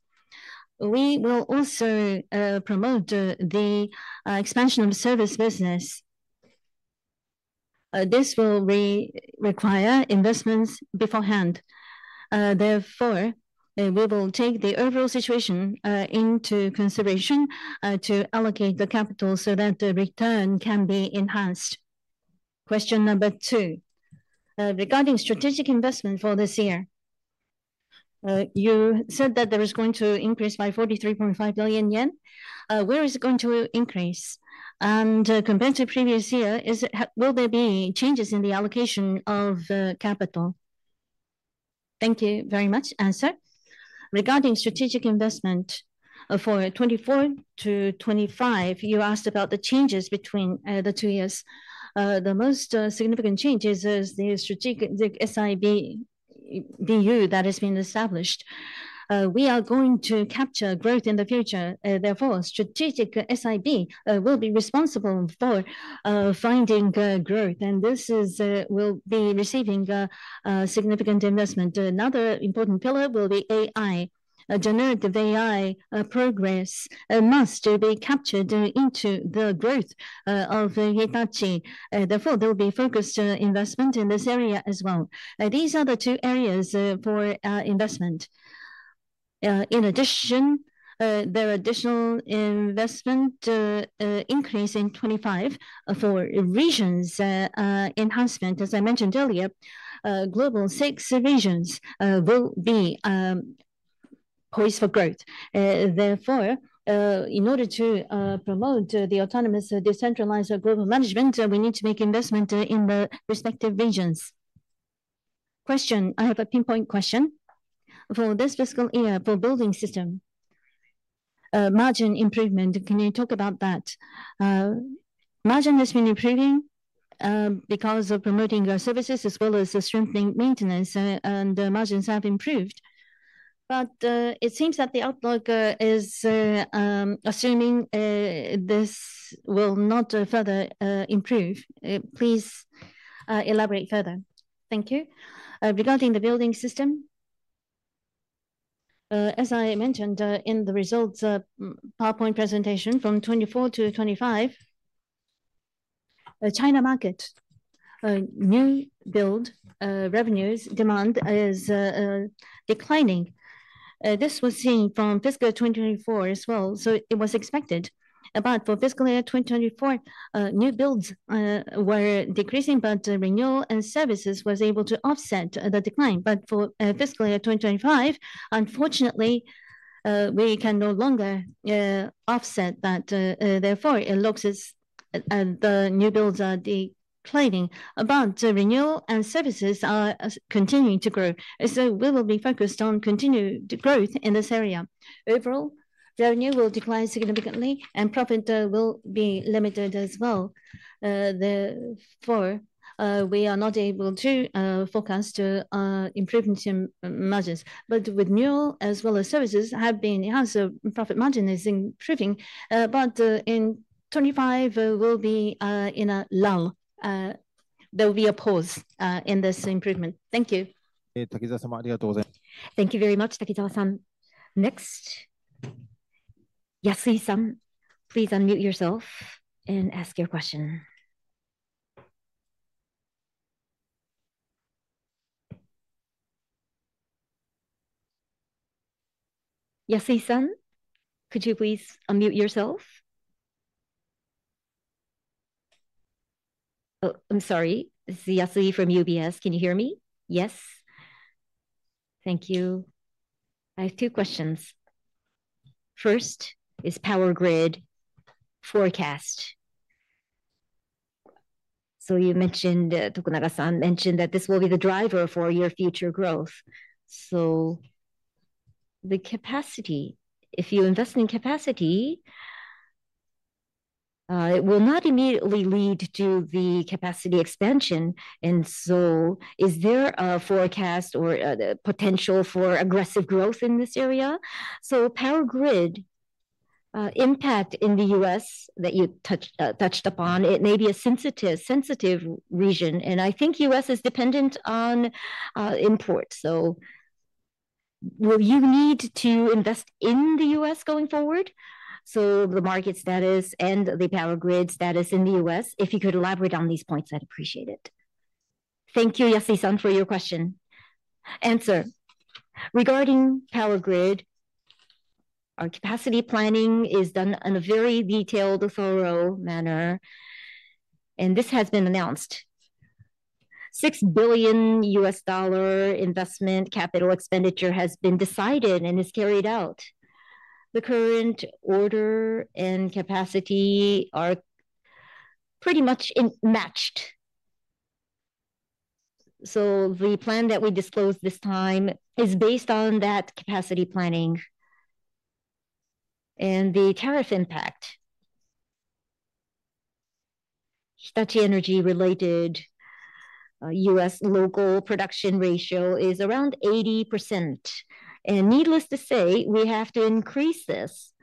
We will also promote the expansion of the service business. This will require investments beforehand. We will take the overall situation into consideration to allocate the capital so that the return can be enhanced. Question number two, regarding strategic investment for this year, you said that there is going to increase by 43.5 billion yen. Where is it going to increase? Compared to the previous year, will there be changes in the allocation of capital? Thank you very much. Answer, regarding strategic investment for 2024 to 2025, you asked about the changes between the two years. The most significant change is the strategic SIB that has been established. We are going to capture growth in the future. Therefore, strategic SIB will be responsible for finding growth, and this will be receiving significant investment. Another important pillar will be AI. Generative AI progress must be captured into the growth of Hitachi. Therefore, there will be focused investment in this area as well. These are the two areas for investment. In addition, there are additional investment increases in 2025 for regions enhancement. As I mentioned earlier, global six regions will be poised for growth. Therefore, in order to promote the autonomous decentralized global management, we need to make investment in the respective regions. Question, I have a pinpoint question. For this fiscal year for building system, margin improvement, can you talk about that? Margin has been improving because of promoting our services as well as strengthening maintenance, and margins have improved. It seems that the outlook is assuming this will not further improve. Please elaborate further. Thank you. Regarding the building system, as I mentioned in the results PowerPoint presentation from 2024 to 2025, China market, new build revenues demand is declining. This was seen from fiscal 2024 as well, so it was expected. For fiscal year 2024, new builds were decreasing, but renewal and services were able to offset the decline. For fiscal year 2025, unfortunately, we can no longer offset that. Therefore, it looks as the new builds are declining, but renewal and services are continuing to grow. We will be focused on continued growth in this area. Overall, revenue will decline significantly, and profit will be limited as well. Therefore, we are not able to forecast improvement in margins. With renewal as well as services, have been enhanced, profit margin is improving. In 2025, we will be in a lull. There will be a pause in this improvement. Thank you. タキザワ様、ありがとうございます。Thank you very much, Takizawa-san. Next, Yasui-san, please unmute yourself and ask your question. Yasui-san, could you please unmute yourself? I'm sorry. This is Yasui from UBS. Can you hear me? Yes. Thank you. I have two questions. First is power grid forecast. You mentioned, Tokunaga-san, mentioned that this will be the driver for your future growth. The capacity, if you invest in capacity, it will not immediately lead to the capacity expansion. Is there a forecast or potential for aggressive growth in this area? Power grid impact in the U.S. that you touched upon, it may be a sensitive region. I think the U.S. is dependent on imports. Will you need to invest in the U.S. going forward? The market status and the power grid status in the U.S., if you could elaborate on these points, I'd appreciate it. Thank you, Yasui-san, for your question. Answer, regarding power grid, our capacity planning is done in a very detailed, thorough manner. This has been announced. $6 billion investment capital expenditure has been decided and is carried out. The current order and capacity are pretty much matched. The plan that we disclose this time is based on that capacity planning and the tariff impact. Hitachi Energy-related U.S. local production ratio is around 80%. Needless to say, we have to increase this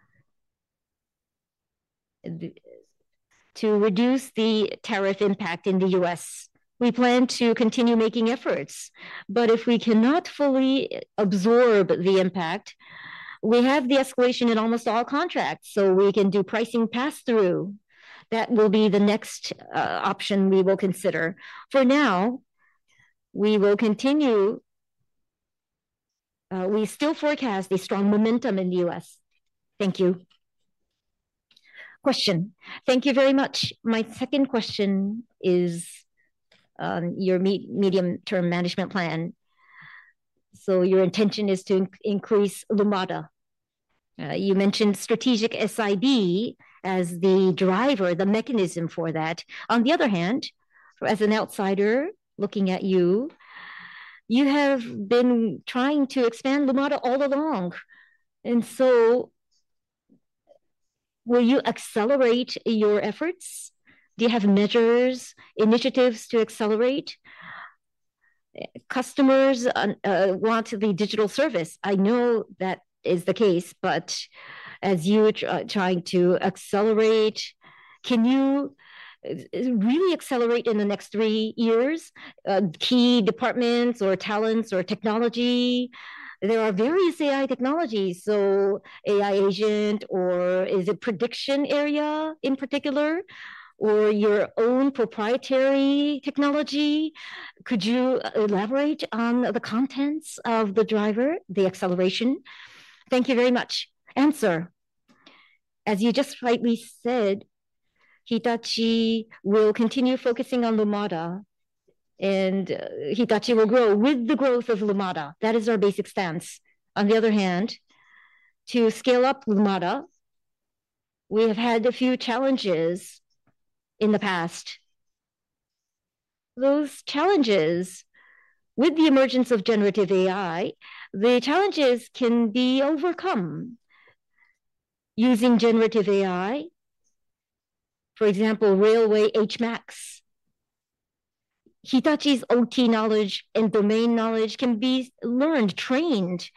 to reduce the tariff impact in the U.S. We plan to continue making efforts. If we cannot fully absorb the impact, we have the escalation in almost all contracts. We can do pricing pass-through. That will be the next option we will consider. For now, we will continue. We still forecast a strong momentum in the U.S. Thank you. Question. Thank you very much. My second question is your medium-term management plan. Your intention is to increase Lumada. You mentioned strategic SIB as the driver, the mechanism for that. On the other hand, as an outsider looking at you, you have been trying to expand Lumada all along. Will you accelerate your efforts? Do you have measures, initiatives to accelerate? Customers want the digital service. I know that is the case. As you are trying to accelerate, can you really accelerate in the next three years? Key departments or talents or technology. There are various AI technologies. AI agent, or is it prediction area in particular, or your own proprietary technology? Could you elaborate on the contents of the driver, the acceleration? Thank you very much. Answer, as you just rightly said, Hitachi will continue focusing on Lumada, and Hitachi will grow with the growth of Lumada. That is our basic stance. On the other hand, to scale up Lumada, we have had a few challenges in the past. Those challenges, with the emergence of generative AI, the challenges can be overcome using generative AI, for example, Railway HMAX. Hitachi's OT knowledge and domain knowledge can be learned, trained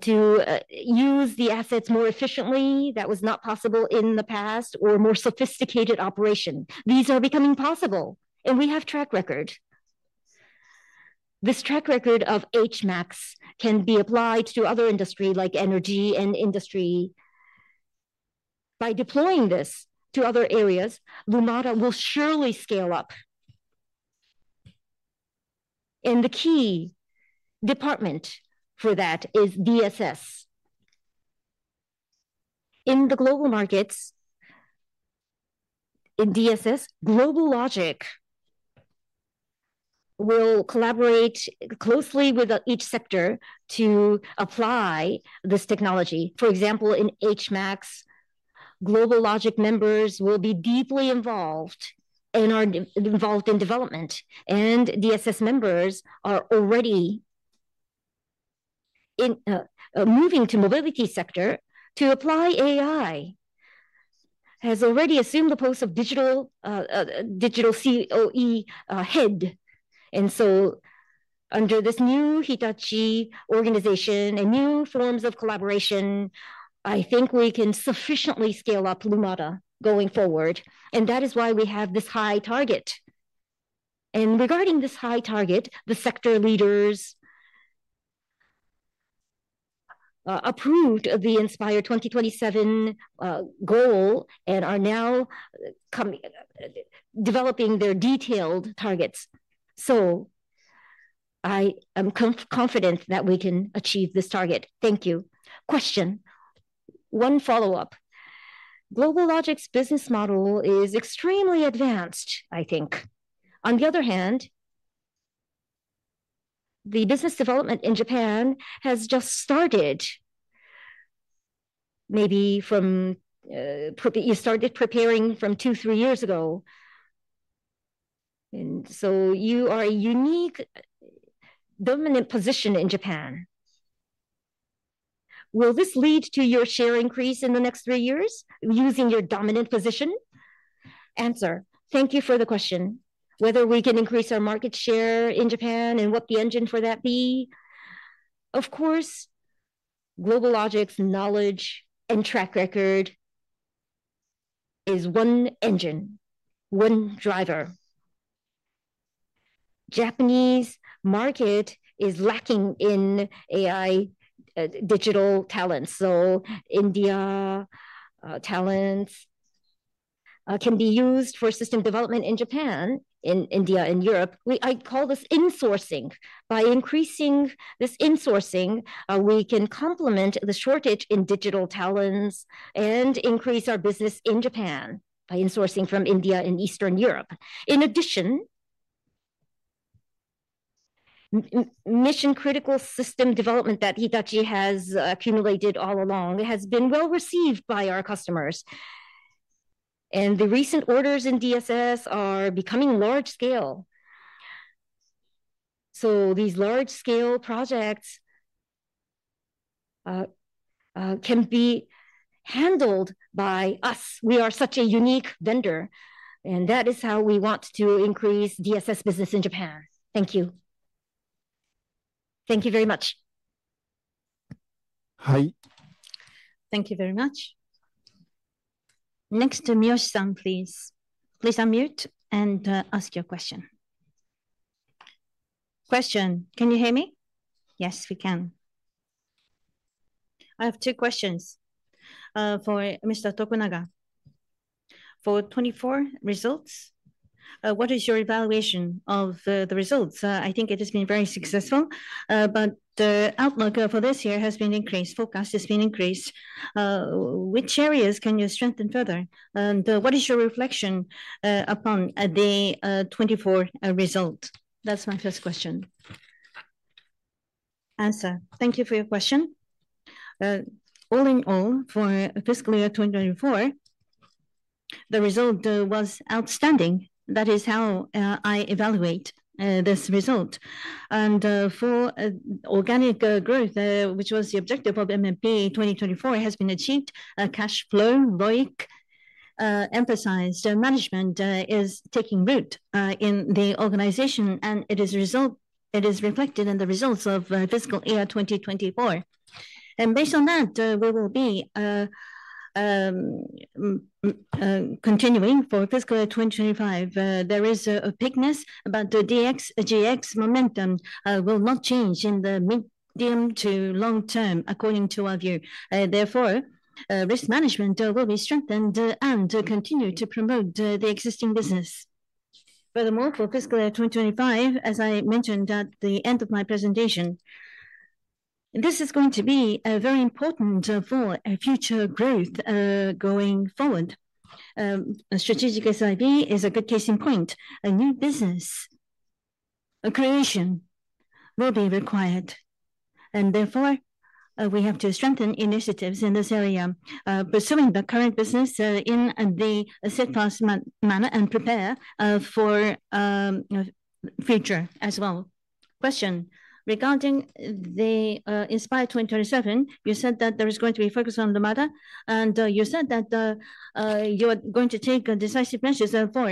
to use the assets more efficiently that was not possible in the past or more sophisticated operation. These are becoming possible, and we have track record. This track record of HMAX can be applied to other industries like energy and industry. By deploying this to other areas, Lumada will surely scale up. The key department for that is DSS. In the global markets, in DSS, Global Logic will collaborate closely with each sector to apply this technology. For example, in HMAX, Global Logic members will be deeply involved in our development. DSS members are already moving to the Mobility sector to apply AI. Has already assumed the post of digital COE head. Under this new Hitachi organization and new forms of collaboration, I think we can sufficiently scale up Lumada going forward. That is why we have this high target. Regarding this high target, the sector leaders approved the Inspire 2027 goal and are now developing their detailed targets. I am confident that we can achieve this target. Thank you. Question, one follow-up. Global Logic's business model is extremely advanced, I think. On the other hand, the business development in Japan has just started, maybe from you started preparing from two, three years ago. You are in a unique dominant position in Japan. Will this lead to your share increase in the next three years using your dominant position? Answer, thank you for the question. Whether we can increase our market share in Japan and what the engine for that will be. Of course, Global Logic's knowledge and track record is one engine, one driver. Japanese market is lacking in AI digital talents. India talents can be used for system development in Japan, in India, in Europe. I call this insourcing. By increasing this insourcing, we can complement the shortage in digital talents and increase our business in Japan by insourcing from India and Eastern Europe. In addition, mission-critical system development that Hitachi has accumulated all along has been well received by our customers. The recent orders in DSS are becoming large scale. These large scale projects can be handled by us. We are such a unique vendor. That is how we want to increase DSS business in Japan. Thank you. Thank you very much. Hi. Thank you very much. Next, Miyoshi-san, please. Please unmute and ask your question. Question, can you hear me? Yes, we can. I have two questions for Mr. Tokunaga. For 2024 results, what is your evaluation of the results? I think it has been very successful. The outlook for this year has been increased. Focus has been increased. Which areas can you strengthen further? And what is your reflection upon the 2024 result? That's my first question. Answer, thank you for your question. All in all, for fiscal year 2024, the result was outstanding. That is how I evaluate this result. For organic growth, which was the objective of MMP 2024, has been achieved. Cash flow, ROIC, emphasized management is taking root in the organization. It is reflected in the results of fiscal year 2024. Based on that, we will be continuing for fiscal year 2025. There is a pickness, but the DX momentum will not change in the medium to long term, according to our view. Therefore, risk management will be strengthened and continue to promote the existing business. Furthermore, for fiscal year 2025, as I mentioned at the end of my presentation, this is going to be very important for future growth going forward. Strategic SIB is a good case in point. A new business creation will be required. Therefore, we have to strengthen initiatives in this area, pursuing the current business in the safe path manner and prepare for the future as well. Question, regarding the Inspire 2027, you said that there is going to be focus on Lumada. You said that you are going to take decisive measures for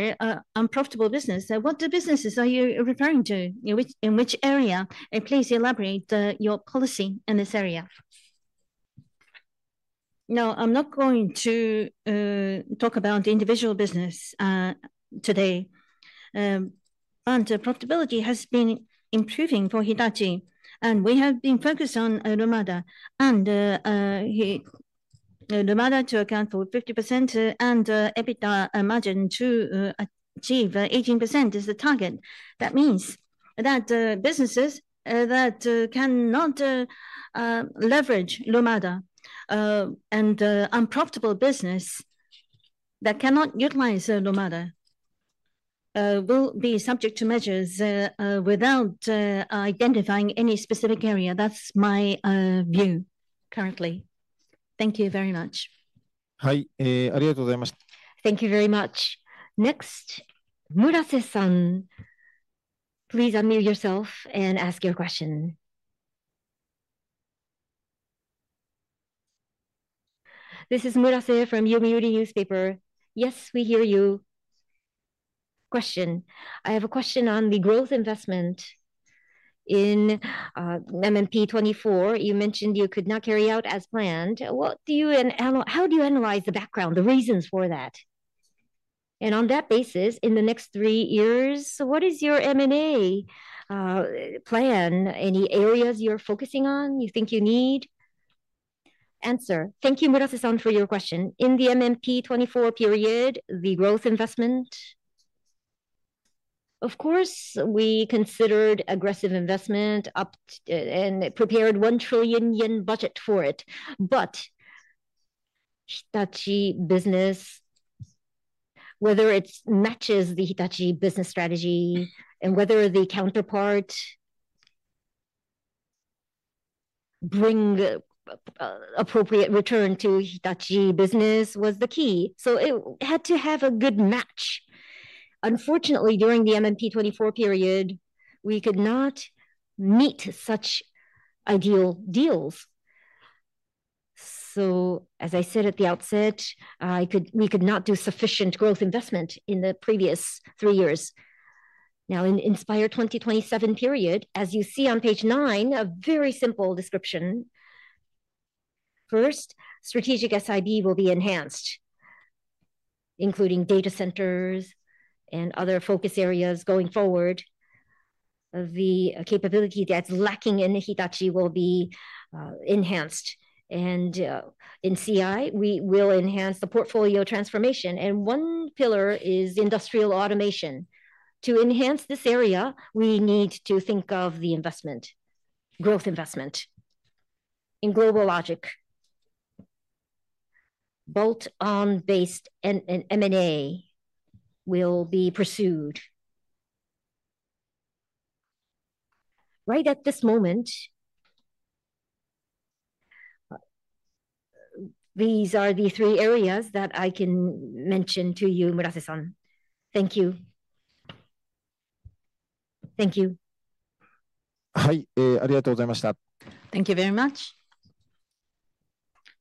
unprofitable business. What businesses are you referring to? In which area? Please elaborate your policy in this area. No, I'm not going to talk about individual business today. Profitability has been improving for Hitachi. We have been focused on Lumada. Lumada to account for 50% and EBITDA margin to achieve 18% is the target. That means that businesses that cannot leverage Lumada and unprofitable business that cannot utilize Lumada will be subject to measures without identifying any specific area. That is my view currently. Thank you very much. はい、ありがとうございました。Thank you very much. Next, Murase-san, please unmute yourself and ask your question. This is Murase from Yomiuri Newspaper. Yes, we hear you. Question. I have a question on the growth investment in MMP 2024. You mentioned you could not carry out as planned. How do you analyze the background, the reasons for that? And on that basis, in the next three years, what is your M&A plan? Any areas you are focusing on you think you need? Answer, thank you, Murase-san, for your question. In the MMP 2024 period, the growth investment, of course, we considered aggressive investment and prepared 1 trillion yen budget for it. Hitachi business, whether it matches the Hitachi business strategy and whether the counterpart brings appropriate return to Hitachi business was the key. It had to have a good match. Unfortunately, during the MMP 2024 period, we could not meet such ideal deals. As I said at the outset, we could not do sufficient growth investment in the previous three years. Now, in the Inspire 2027 period, as you see on page nine, a very simple description. First, strategic SIB will be enhanced, including data centers and other focus areas going forward. The capability that's lacking in Hitachi will be enhanced. In CI, we will enhance the portfolio transformation. One pillar is industrial automation. To enhance this area, we need to think of the investment, growth investment in Global Logic. Bolt-on-based M&A will be pursued. Right at this moment, these are the three areas that I can mention to you, Murase-san. Thank you. Thank you. はい、ありがとうございました。Thank you very much.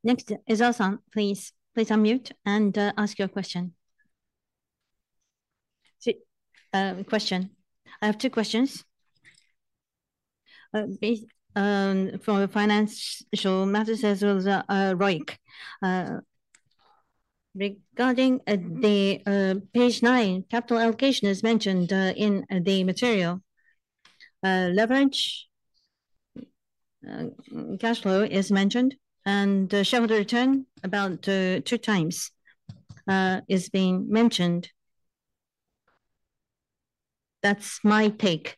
Next, Ezawa-san, please unmute and ask your question. Question. I have two questions for financial matters as well as ROIC. Regarding the page nine, capital allocation is mentioned in the material. Leverage cash flow is mentioned. And the shareholder return about two times is being mentioned. That's my take.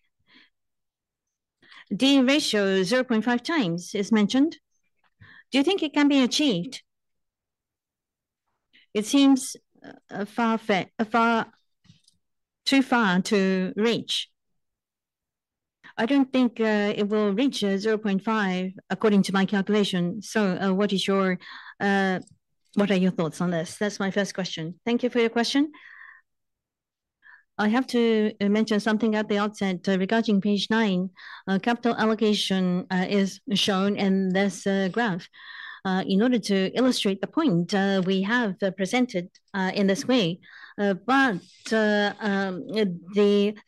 Deal ratio 0.5 times is mentioned. Do you think it can be achieved? It seems too far to reach. I don't think it will reach 0.5 according to my calculation. What are your thoughts on this? That's my first question. Thank you for your question. I have to mention something at the outset regarding page nine. Capital allocation is shown in this graph. In order to illustrate the point, we have presented in this way. The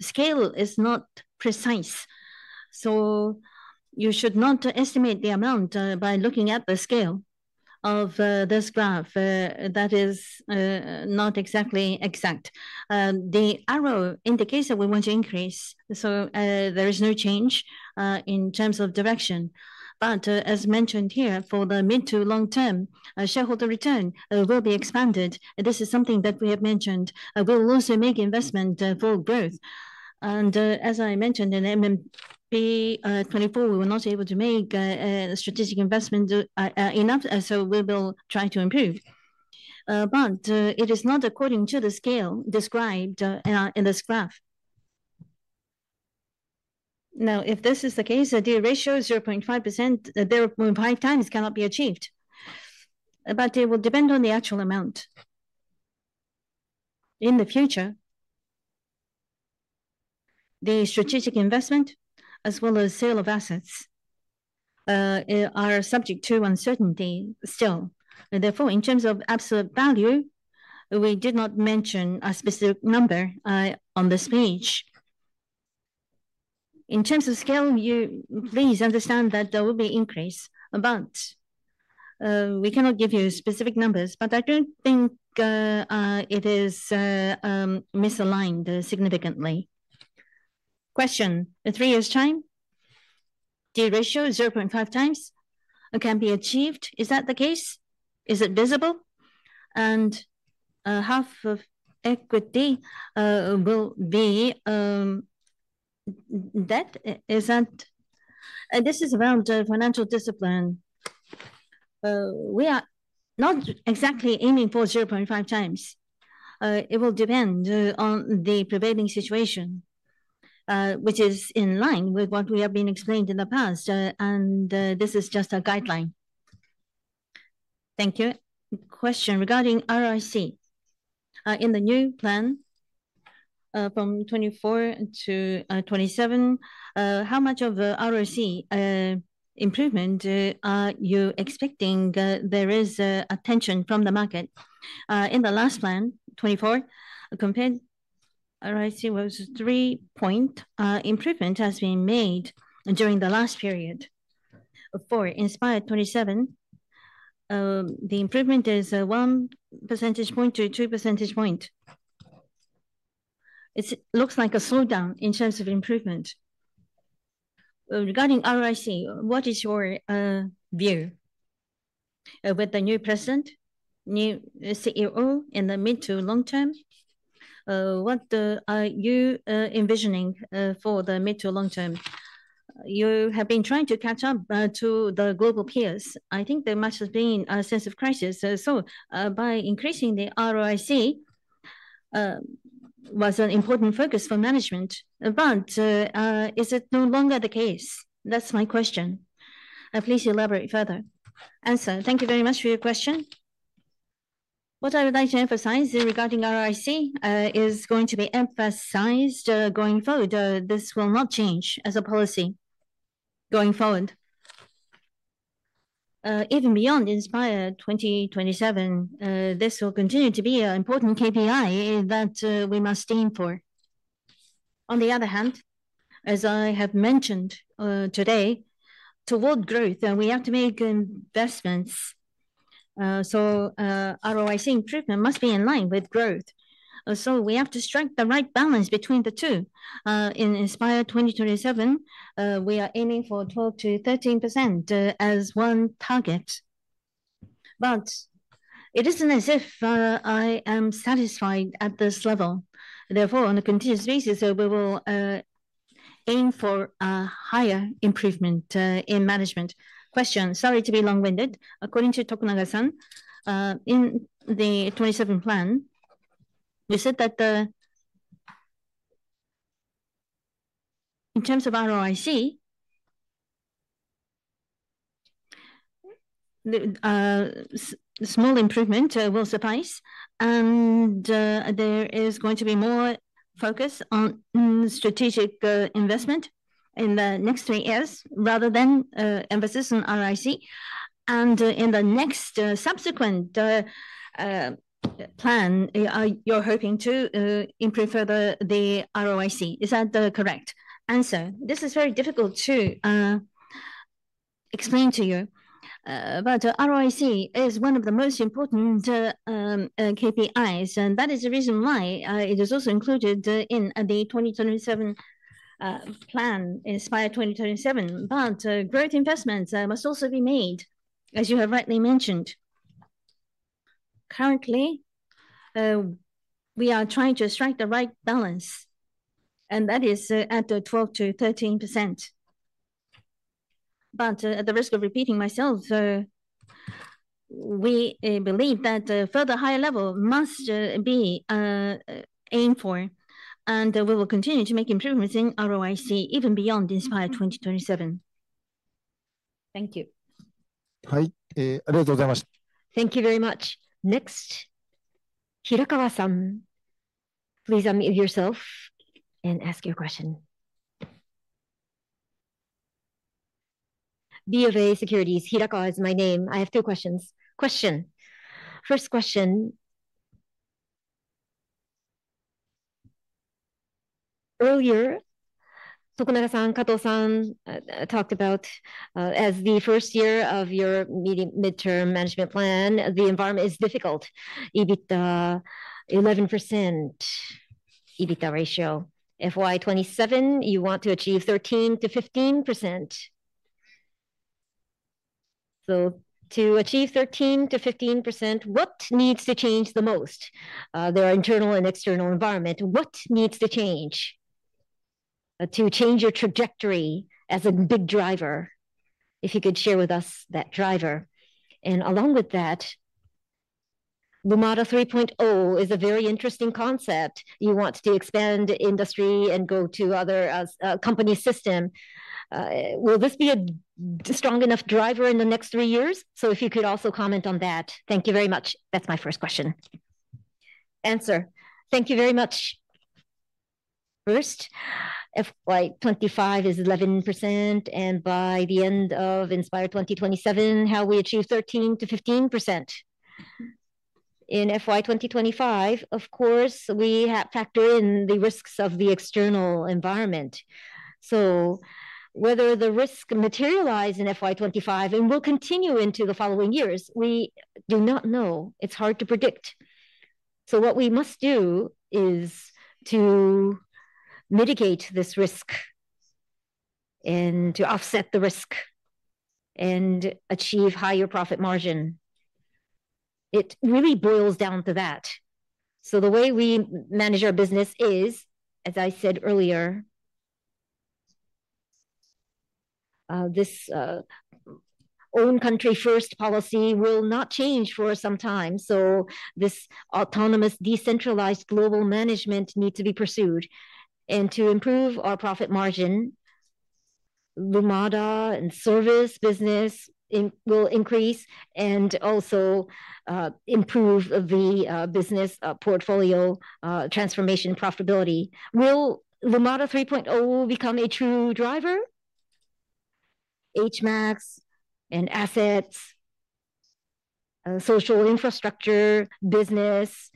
scale is not precise. You should not estimate the amount by looking at the scale of this graph. That is not exactly exact. The arrow indicates that we want to increase. There is no change in terms of direction. As mentioned here, for the mid to long term, shareholder return will be expanded. This is something that we have mentioned. We will also make investment for growth. As I mentioned in MMP 24, we were not able to make strategic investment enough. We will try to improve. It is not according to the scale described in this graph. If this is the case, the ratio 0.5%, 0.5 times cannot be achieved. It will depend on the actual amount. In the future, the strategic investment as well as sale of assets are subject to uncertainty still. Therefore, in terms of absolute value, we did not mention a specific number on this page. In terms of scale, please understand that there will be an increase. We cannot give you specific numbers. I do not think it is misaligned significantly. Question, in three years' time, deal ratio 0.5 times can be achieved. Is that the case? Is it visible? And half of equity will be debt? Is that? This is around financial discipline. We are not exactly aiming for 0.5 times. It will depend on the prevailing situation, which is in line with what we have been explained in the past. This is just a guideline. Thank you. Question regarding ROIC. In the new plan from 2024 to 2027, how much of ROIC improvement are you expecting? There is attention from the market. In the last plan, 2024, compared ROIC was three points. Improvement has been made during the last period. For Inspire 2027, the improvement is one percentage point to two percentage points. It looks like a slowdown in terms of improvement. Regarding ROIC, what is your view with the new president, new CEO in the mid to long term? What are you envisioning for the mid to long term? You have been trying to catch up to the global peers. I think there must have been a sense of crisis. By increasing the ROIC was an important focus for management. Is it no longer the case? That is my question. Please elaborate further. Answer, thank you very much for your question. What I would like to emphasize regarding ROIC is going to be emphasized going forward. This will not change as a policy going forward. Even beyond Inspire 2027, this will continue to be an important KPI that we must aim for. On the other hand, as I have mentioned today, toward growth, we have to make investments. ROIC improvement must be in line with growth. We have to strike the right balance between the two. In Inspire 2027, we are aiming for 12-13% as one target. It isn't as if I am satisfied at this level. Therefore, on a continuous basis, we will aim for a higher improvement in management. Question, sorry to be long-winded. According to Tokunaga-san, in the 2027 plan, you said that in terms of ROIC, small improvement will suffice. There is going to be more focus on strategic investment in the next three years rather than emphasis on ROIC. In the next subsequent plan, you're hoping to improve further the ROIC. Is that correct? Answer, this is very difficult to explain to you. ROIC is one of the most important KPIs. That is the reason why it is also included in the 2027 plan, Inspire 2027. Growth investments must also be made, as you have rightly mentioned. Currently, we are trying to strike the right balance. That is at 12-13%. At the risk of repeating myself, we believe that a further higher level must be aimed for. We will continue to make improvements in ROIC even beyond Inspire 2027. Thank you. はい、ありがとうございました。Thank you very much. Next, Hirakawa-san. Please unmute yourself and ask your question. BofA Securities, Hirakawa is my name. I have two questions. First question. Earlier, Tokunaga-san, Kato-san talked about, as the first year of your midterm management plan, the environment is difficult. EBITDA 11%, EBITDA ratio. FY 2027, you want to achieve 13-15%. To achieve 13-15%, what needs to change the most? There are internal and external environment. What needs to change to change your trajectory as a big driver? If you could share with us that driver. Along with that, Lumada 3.0 is a very interesting concept. You want to expand industry and go to other company systems. Will this be a strong enough driver in the next three years? If you could also comment on that. Thank you very much. That's my first question. Thank you very much. First, FY 2025 is 11%. By the end of Inspire 2027, how will we achieve 13-15%? In FY 2025, of course, we factor in the risks of the external environment. Whether the risk materializes in FY 2025 and will continue into the following years, we do not know. It's hard to predict. What we must do is to mitigate this risk and to offset the risk and achieve a higher profit margin. It really boils down to that. The way we manage our business is, as I said earlier, this own country first policy will not change for some time. This autonomous decentralized global management needs to be pursued. To improve our profit margin, Lumada and service business will increase and also improve the business portfolio transformation profitability. Will Lumada 3.0 become a true driver? HMAX and assets, social infrastructure, business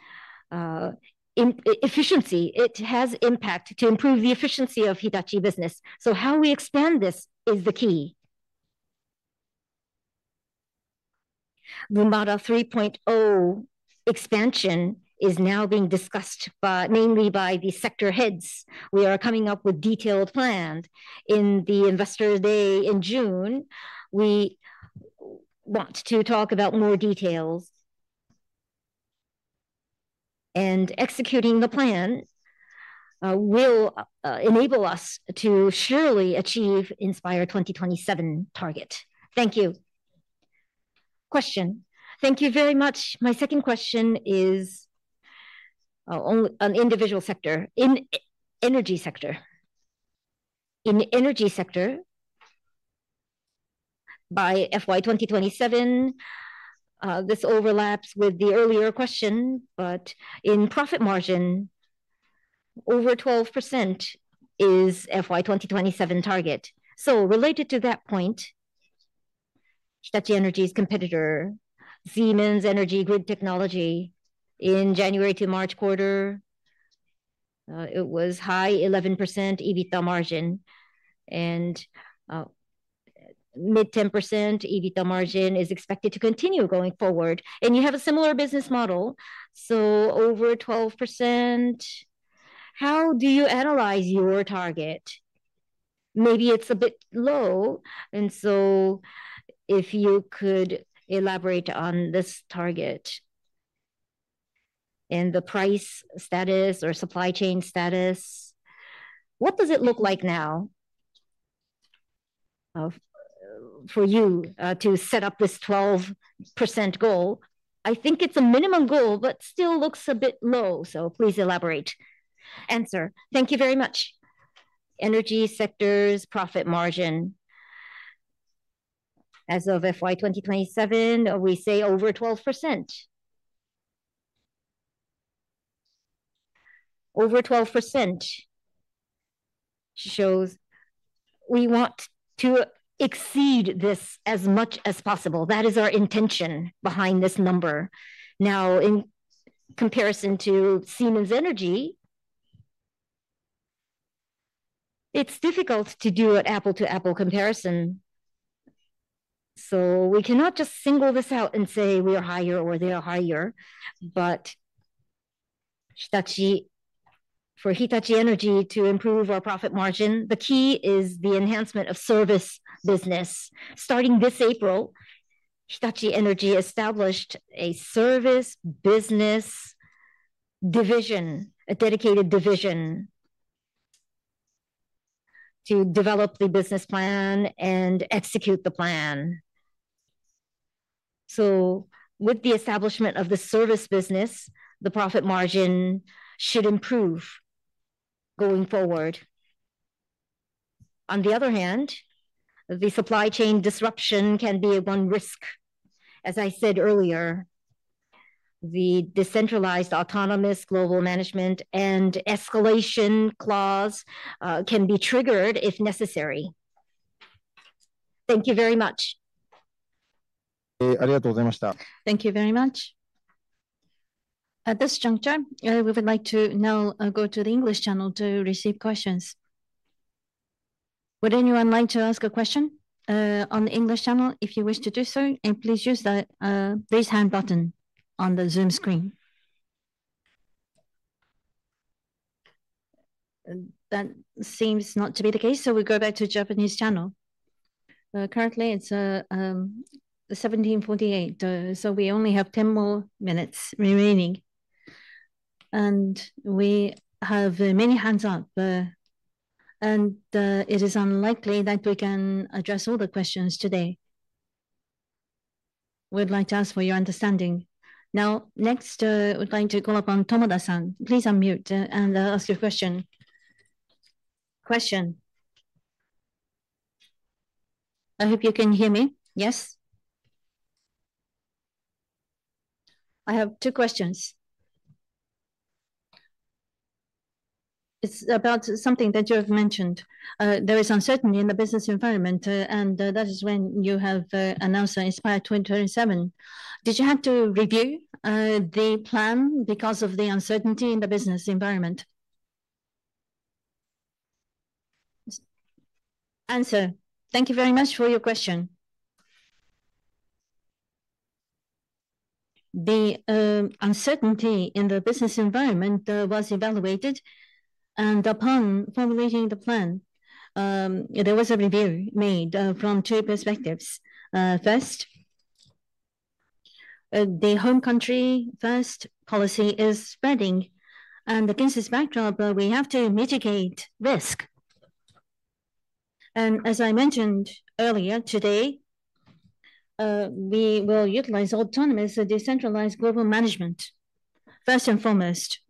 efficiency. It has an impact to improve the efficiency of Hitachi business. How we expand this is the key. Lumada 3.0 expansion is now being discussed mainly by the sector heads. We are coming up with a detailed plan. In the investor day in June, we want to talk about more details. Executing the plan will enable us to surely achieve Inspire 2027 target. Thank you. Question. Thank you very much. My second question is on the individual sector, in the energy sector. In the energy sector, by FY 2027, this overlaps with the earlier question. In profit margin, over 12% is FY 2027 target. Related to that point, Hitachi Energy's competitor, Siemens Energy Grid Technology, in January to March quarter, it was a high 11% EBITDA margin. Mid 10% EBITDA margin is expected to continue going forward. You have a similar business model. Over 12%, how do you analyze your target? Maybe it's a bit low. If you could elaborate on this target and the price status or supply chain status, what does it look like now for you to set up this 12% goal? I think it's a minimum goal, but still looks a bit low. Please elaborate. Thank you very much. Energy sector's profit margin. As of FY 2027, we say over 12%. Over 12% shows we want to exceed this as much as possible. That is our intention behind this number. In comparison to Siemens Energy, it's difficult to do an apple-to-apple comparison. We cannot just single this out and say we are higher or they are higher. For Hitachi Energy to improve our profit margin, the key is the enhancement of service business. Starting this April, Hitachi Energy established a service business division, a dedicated division to develop the business plan and execute the plan. With the establishment of the service business, the profit margin should improve going forward. On the other hand, the supply chain disruption can be one risk. As I said earlier, the decentralized autonomous global management and escalation clause can be triggered if necessary. Thank you very much. ありがとうございました。Thank you very much. At this juncture, we would like to now go to the English channel to receive questions. Would anyone like to ask a question on the English channel if you wish to do so? Please use the raise hand button on the Zoom screen. That seems not to be the case. We will go back to the Japanese channel. Currently, it is 17:48. We only have 10 more minutes remaining. We have many hands up. It is unlikely that we can address all the questions today. We'd like to ask for your understanding. Next, we'd like to call upon Tomoda-san. Please unmute and ask your question. Question. I hope you can hear me. Yes? I have two questions. It's about something that you have mentioned. There is uncertainty in the business environment. That is when you have announced Inspire 2027. Did you have to review the plan because of the uncertainty in the business environment? Answer, thank you very much for your question. The uncertainty in the business environment was evaluated. Upon formulating the plan, there was a review made from two perspectives. First, the home country first policy is spreading. Against this backdrop, we have to mitigate risk. As I mentioned earlier today, we will utilize autonomous decentralized global management first and foremost.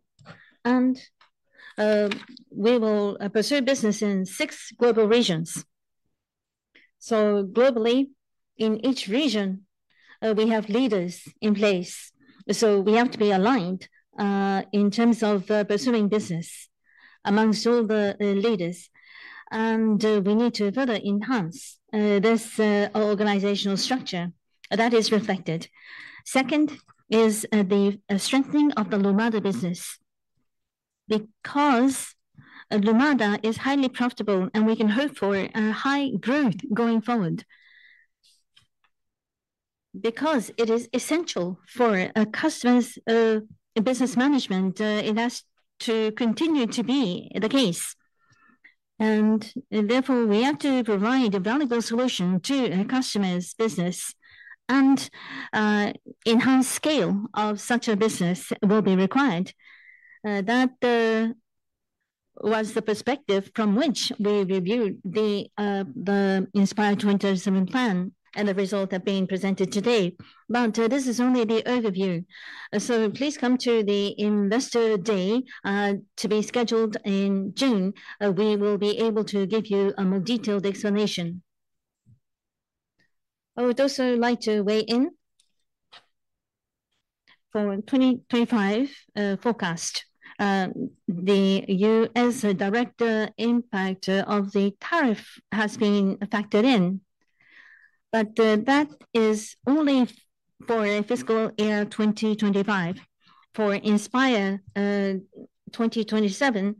We will pursue business in six global regions. Globally, in each region, we have leaders in place. We have to be aligned in terms of pursuing business amongst all the leaders. We need to further enhance this organizational structure. That is reflected. Second is the strengthening of the Lumada business. Lumada is highly profitable, and we can hope for high growth going forward. Because it is essential for customers' business management, it has to continue to be the case. Therefore, we have to provide a valuable solution to customers' business. Enhanced scale of such a business will be required. That was the perspective from which we reviewed the Inspire 2027 plan and the results have been presented today. This is only the overview. Please come to the investor day to be scheduled in June. We will be able to give you a more detailed explanation. I would also like to weigh in for the 2025 forecast. The U.S. direct impact of the tariff has been factored in. That is only for the fiscal year 2025. Inspire 2027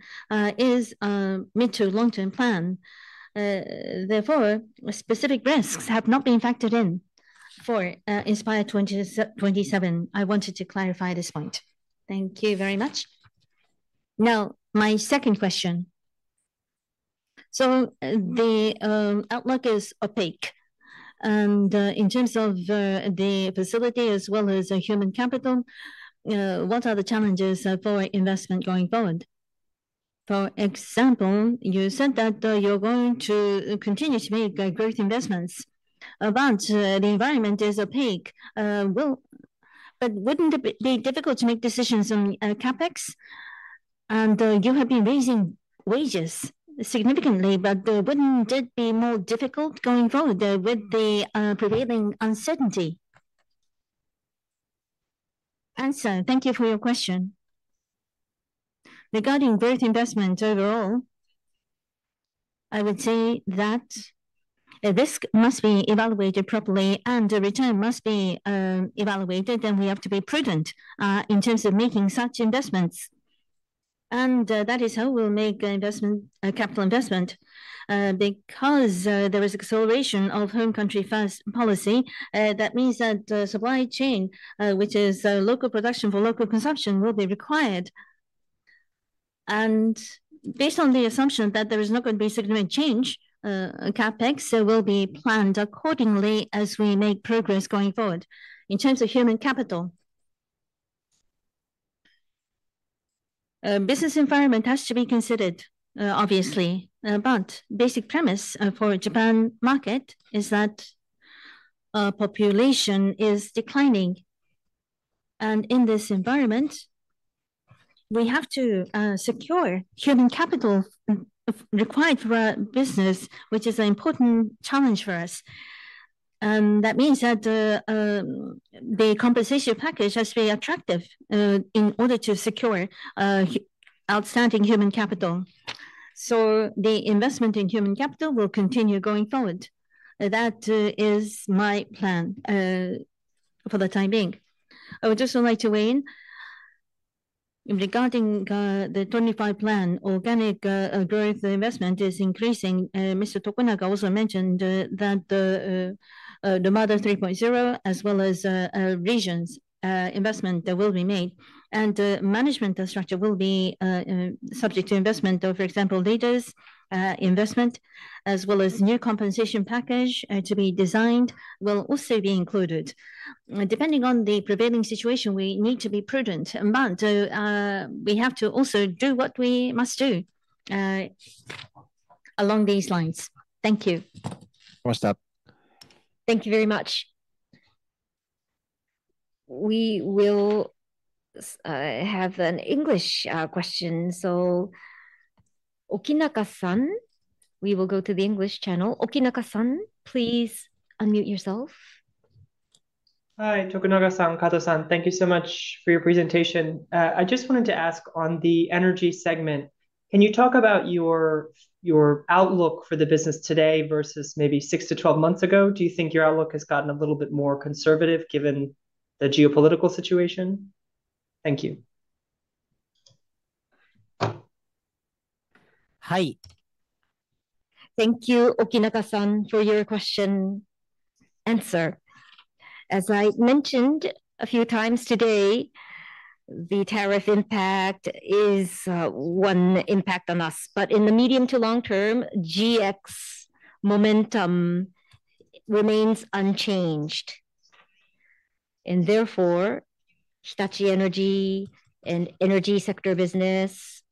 is a mid-to-long-term plan. Therefore, specific risks have not been factored in for Inspire 2027. I wanted to clarify this point. Thank you very much. Now, my second question. The outlook is opaque. In terms of the facility as well as human capital, what are the challenges for investment going forward? For example, you said that you're going to continue to make growth investments. The environment is opaque. Wouldn't it be difficult to make decisions on CapEx? You have been raising wages significantly. Wouldn't it be more difficult going forward with the prevailing uncertainty? Thank you for your question. Regarding growth investment overall, I would say that risk must be evaluated properly and the return must be evaluated. We have to be prudent in terms of making such investments. That is how we'll make capital investment. Because there is acceleration of home country first policy, that means that supply chain, which is local production for local consumption, will be required. Based on the assumption that there is not going to be a significant change, CapEx will be planned accordingly as we make progress going forward. In terms of human capital, the business environment has to be considered, obviously. The basic premise for the Japan market is that population is declining. In this environment, we have to secure human capital required for our business, which is an important challenge for us. That means that the compensation package has to be attractive in order to secure outstanding human capital. The investment in human capital will continue going forward. That is my plan for the time being. I would just like to weigh in regarding the 2025 plan. Organic growth investment is increasing. Mr. Tokunaga also mentioned that Lumada 3.0, as well as regions investment that will be made. Management structure will be subject to investment of, for example, leaders' investment, as well as a new compensation package to be designed will also be included. Depending on the prevailing situation, we need to be prudent. We have to also do what we must do along these lines. Thank you. かもしれません。Thank you very much. We will have an English question. Okinawa-san, we will go to the English channel. Okinawa-san, please unmute yourself. Hi, Tokunaga-san, Kato-san, thank you so much for your presentation. I just wanted to ask on the energy segment. Can you talk about your outlook for the business today versus maybe six to 12 months ago? Do you think your outlook has gotten a little bit more conservative given the geopolitical situation? Thank you. はい. Thank you, Okinawa-san, for your question answer. As I mentioned a few times today, the tariff impact is one impact on us. In the medium to long term, GX momentum remains unchanged. Therefore, Hitachi Energy and energy sector business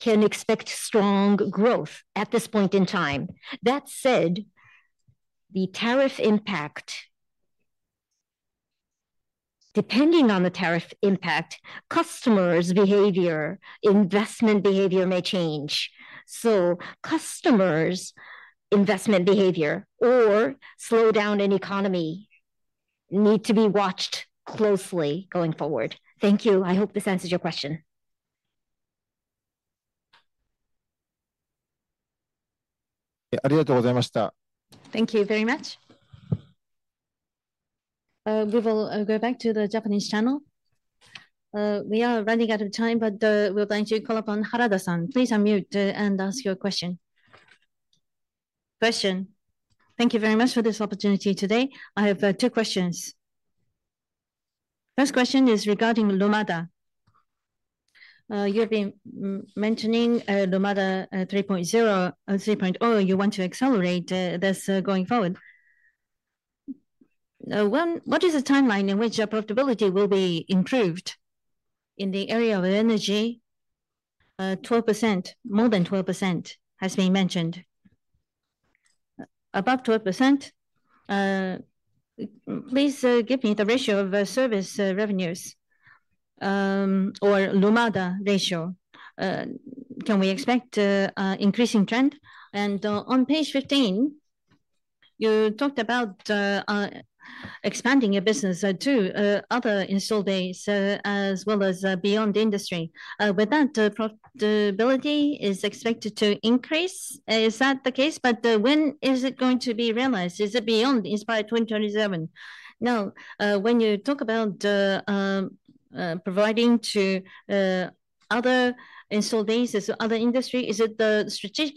can expect strong growth at this point in time. That said, the tariff impact, depending on the tariff impact, customers' behavior, investment behavior may change. Customers' investment behavior or slowdown in the economy need to be watched closely going forward. Thank you. I hope this answers your question. ありがとうございました。Thank you very much. We will go back to the Japanese channel. We are running out of time, but we would like to call upon Harada-san. Please unmute and ask your question. Question. Thank you very much for this opportunity today. I have two questions. First question is regarding Lumada. You have been mentioning Lumada 3.0. You want to accelerate this going forward. What is the timeline in which profitability will be improved in the area of energy? 12%, more than 12%, has been mentioned. Above 12%, please give me the ratio of service revenues or Lumada ratio. Can we expect an increasing trend? On page 15, you talked about expanding your business to other installed bases as well as beyond the industry. With that, profitability is expected to increase. Is that the case? When is it going to be realized? Is it beyond Inspire 2027? Now, when you talk about providing to other installed bases or other industry, is it the strategic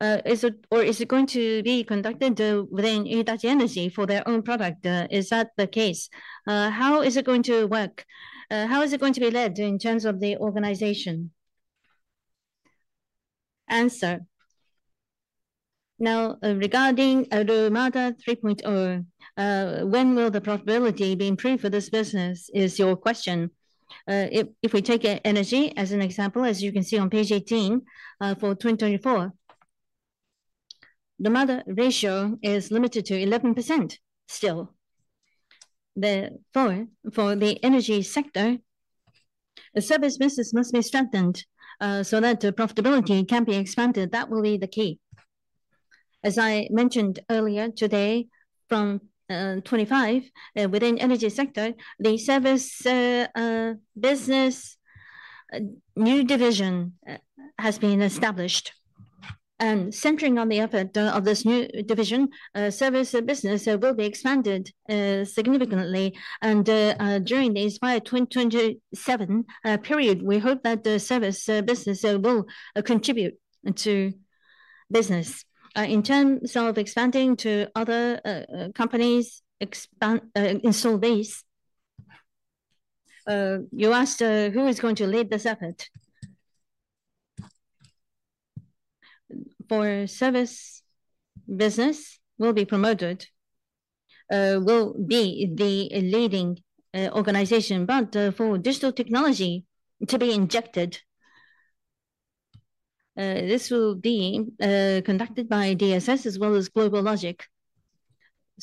SRB? Or is it going to be conducted within Hitachi Energy for their own product? Is that the case? How is it going to work? How is it going to be led in terms of the organization? Answer. Now, regarding Lumada 3.0, when will the profitability be improved for this business is your question. If we take energy as an example, as you can see on page 18 for 2024, Lumada ratio is limited to 11% still. Therefore, for the energy sector, the service business must be strengthened so that profitability can be expanded. That will be the key. As I mentioned earlier today, from 2025, within the energy sector, the service business new division has been established. Centering on the effort of this new division, service business will be expanded significantly. During the Inspire 2027 period, we hope that the service business will contribute to business. In terms of expanding to other companies' installed base, you asked who is going to lead this effort. For service business, will be promoted, will be the leading organization. For digital technology to be injected, this will be conducted by DSS as well as Global Logic.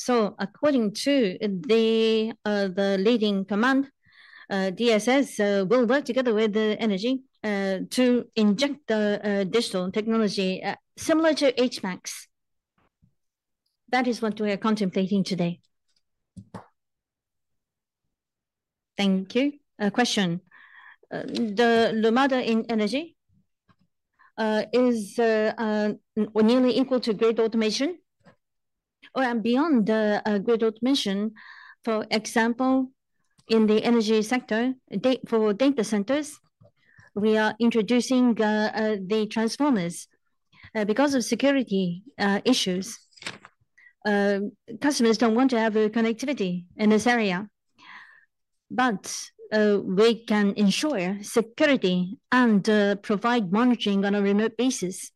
According to the leading command, DSS will work together with energy to inject digital technology similar to HVAC. That is what we are contemplating today. Thank you. Question. The Lumada in energy is nearly equal to grid automation or beyond grid automation. For example, in the energy sector, for data centers, we are introducing the transformers. Because of security issues, customers do not want to have connectivity in this area. We can ensure security and provide monitoring on a remote basis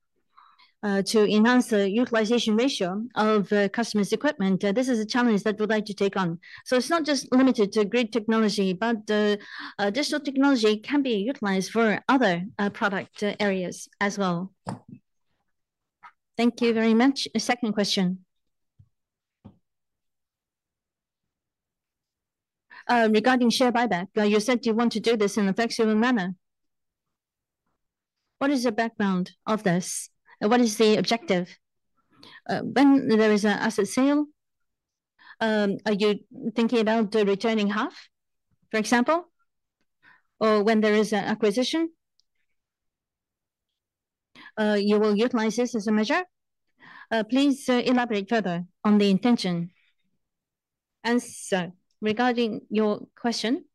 to enhance the utilization ratio of customers' equipment. This is a challenge that we would like to take on. It is not just limited to grid technology, but digital technology can be utilized for other product areas as well. Thank you very much. Second question. Regarding share buyback, you said you want to do this in a flexible manner. What is the background of this? What is the objective? When there is an asset sale, are you thinking about returning half, for example? Or when there is an acquisition, you will utilize this as a measure? Please elaborate further on the intention. Answer. Regarding your question.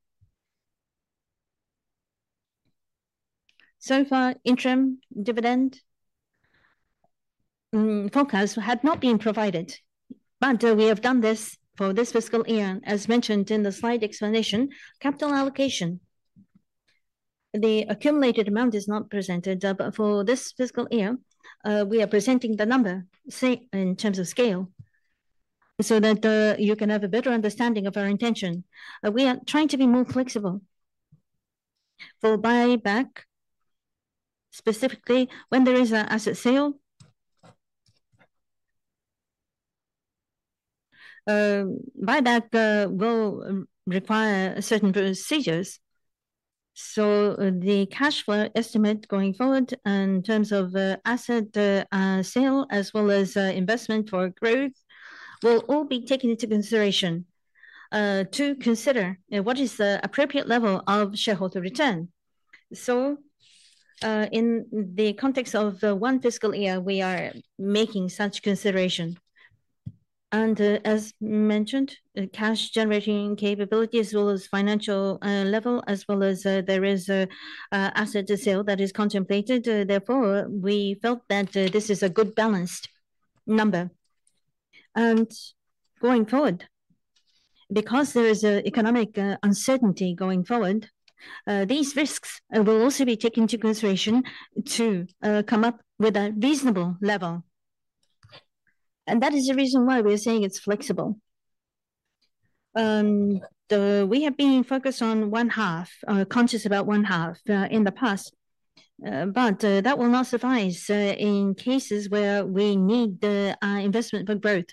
So far, interim dividend forecast had not been provided. We have done this for this fiscal year, as mentioned in the slide explanation. Capital allocation, the accumulated amount is not presented. For this fiscal year, we are presenting the number in terms of scale so that you can have a better understanding of our intention. We are trying to be more flexible. For buyback, specifically when there is an asset sale, buyback will require certain procedures. The cash flow estimate going forward in terms of asset sale as well as investment for growth will all be taken into consideration to consider what is the appropriate level of shareholder return. In the context of one fiscal year, we are making such consideration. As mentioned, cash-generating capability as well as financial level, as well as there is an asset sale that is contemplated. Therefore, we felt that this is a good balanced number. Going forward, because there is economic uncertainty going forward, these risks will also be taken into consideration to come up with a reasonable level. That is the reason why we are saying it's flexible. We have been focused on one half, conscious about one half in the past. That will not suffice in cases where we need investment for growth.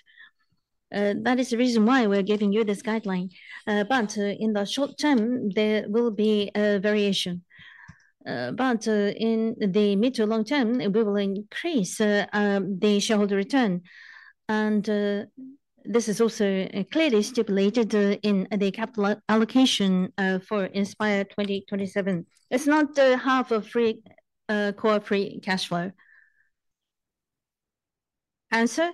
That is the reason why we're giving you this guideline. In the short term, there will be a variation. In the mid to long term, we will increase the shareholder return. This is also clearly stipulated in the capital allocation for Inspire 2027. It's not half of core free cash flow. Answer?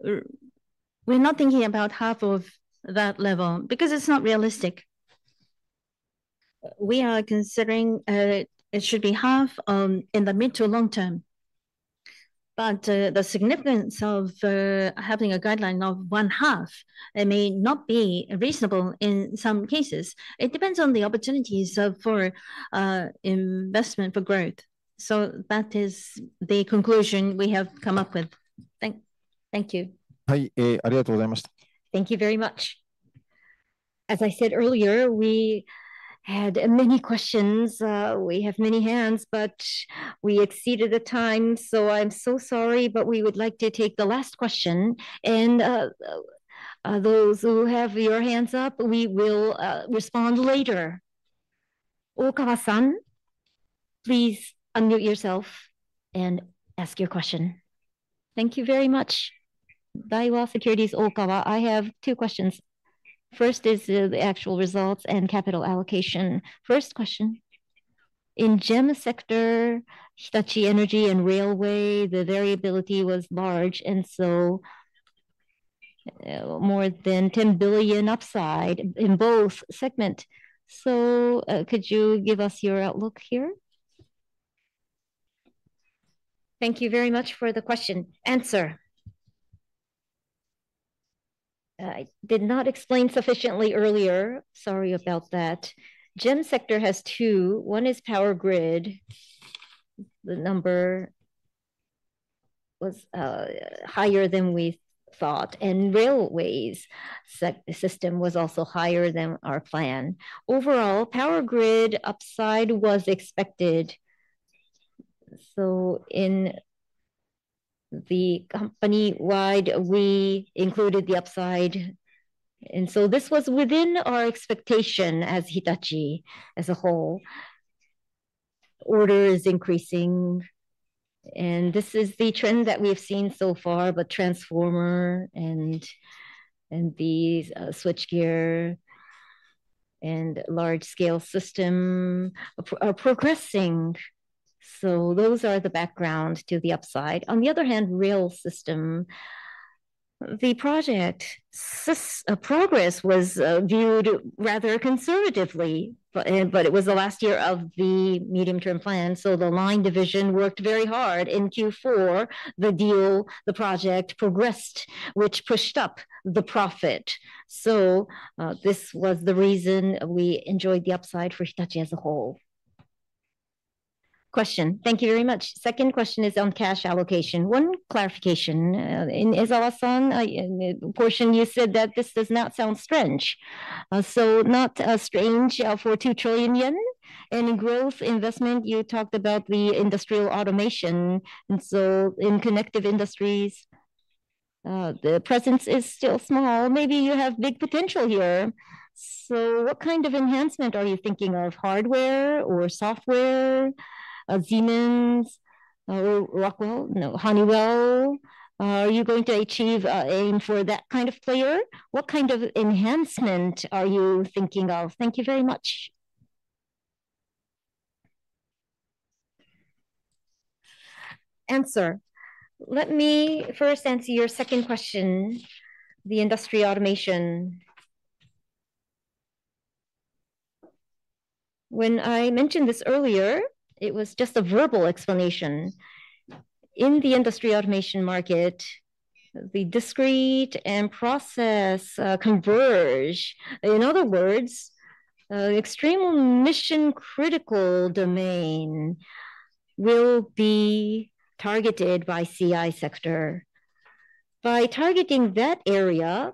We're not thinking about half of that level because it's not realistic. We are considering it should be half in the mid to long term. The significance of having a guideline of one half may not be reasonable in some cases. It depends on the opportunities for investment for growth. That is the conclusion we have come up with. Thank you. はい、ありがとうございました。Thank you very much. As I said earlier, we had many questions. We have many hands, but we exceeded the time. I am so sorry, but we would like to take the last question. Those who have your hands up, we will respond later. Okava-san, please unmute yourself and ask your question. Thank you very much. BofA Securities Okava, I have two questions. First is the actual results and capital allocation. First question. In the GEM sector, Hitachi Energy and Railway, the variability was large. More than 10 billion upside in both segments. Could you give us your outlook here? Thank you very much for the question. Answer. I did not explain sufficiently earlier. Sorry about that. GEM sector has two. One is power grid. The number was higher than we thought. And railways system was also higher than our plan. Overall, power grid upside was expected. In the company-wide, we included the upside. This was within our expectation as Hitachi as a whole. Order is increasing. This is the trend that we have seen so far. Transformer and the switchgear and large-scale system are progressing. Those are the background to the upside. On the other hand, rail system, the project progress was viewed rather conservatively. It was the last year of the medium-term plan. The line division worked very hard. In Q4, the deal, the project progressed, which pushed up the profit. This was the reason we enjoyed the upside for Hitachi as a whole. Question. Thank you very much. Second question is on cash allocation. One clarification. In Isawa-san portion, you said that this does not sound strange. Not strange for 2 trillion yen in growth investment. You talked about the industrial automation. In connective industries, the presence is still small. Maybe you have big potential here. What kind of enhancement are you thinking of? hardware or software? siemens? rockwell? No, honeywell. Are you going to achieve, aim for that kind of player? What kind of enhancement are you thinking of? Thank you very much. Answer. Let me first answer your second question, the industry automation. When I mentioned this earlier, it was just a verbal explanation. In the industry automation market, the discrete and process converge. In other words, the extreme mission-critical domain will be targeted by CI sector. By targeting that area,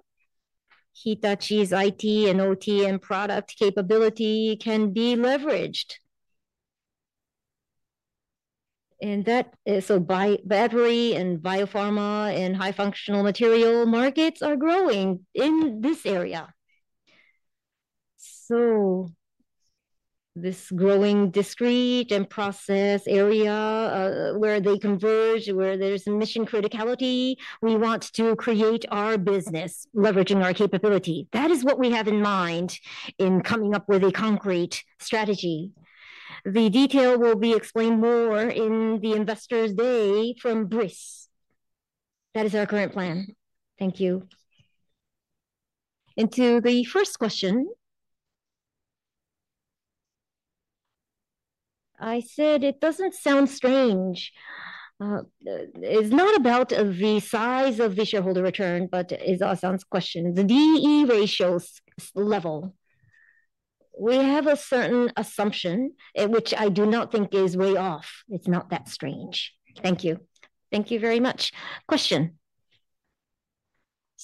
Hitachi's IT and OT product capability can be leveraged. That is so battery and biopharma and high-functional material markets are growing in this area. This growing discrete and process area where they converge, where there is mission criticality, we want to create our business leveraging our capability. That is what we have in mind in coming up with a concrete strategy. The detail will be explained more in the investors' day from Breeze. That is our current plan. Thank you. Into the first question. I said it does not sound strange. It is not about the size of the shareholder return, but Isawa-san's question, the DE ratios level. We have a certain assumption, which I do not think is way off. It is not that strange. Thank you. Thank you very much. Question.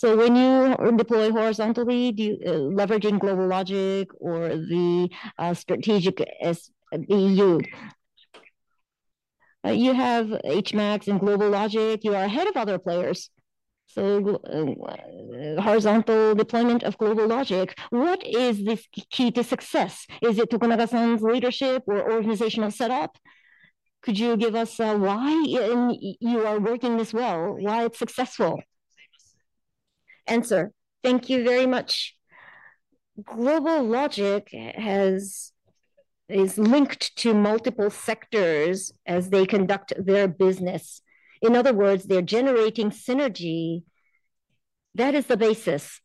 When you deploy horizontally, leveraging Global Logic or the strategic EU, you have HVAC and Global Logic. You are ahead of other players. Horizontal deployment of Global Logic, what is this key to success? Is it Tokunaga-san's leadership or organizational setup? Could you give us why you are working this well, why it's successful? Thank you very much. Global Logic is linked to multiple sectors as they conduct their business. In other words, they're generating synergy. That is the basis.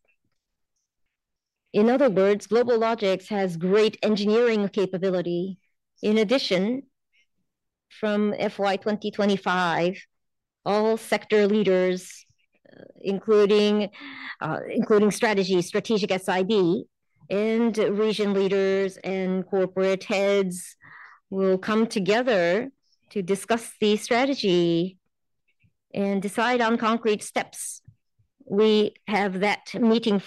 In other words, Global Logic has great engineering capability. In addition, from FY 2025, all sector leaders, including strategy, strategic SIB, and region leaders and corporate heads will come together to discuss the strategy and decide on concrete steps. We have that meeting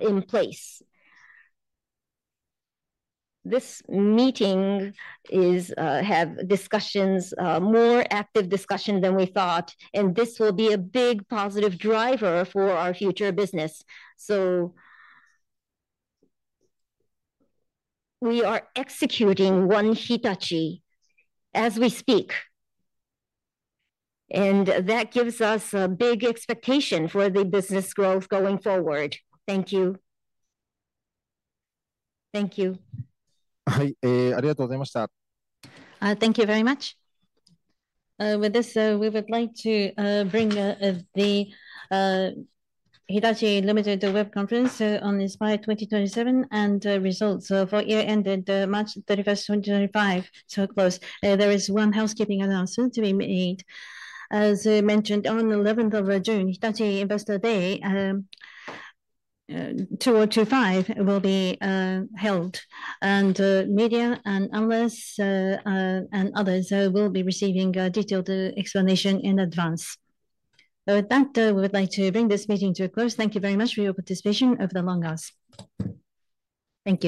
in place. This meeting has discussions, more active discussion than we thought. This will be a big positive driver for our future business. We are executing one Hitachi as we speak. That gives us a big expectation for the business growth going forward. Thank you. Thank you. ありがとうございました。Thank you very much. With this, we would like to bring the Hitachi Limited Web Conference on Inspire 2027 and results for year-ended March 31, 2025, to a close. There is one housekeeping announcement to be made. As mentioned on 11th of June, Hitachi Investor Day 2025 will be held. Media and analysts and others will be receiving a detailed explanation in advance. With that, we would like to bring this meeting to a close. Thank you very much for your participation of the long hours. Thank you.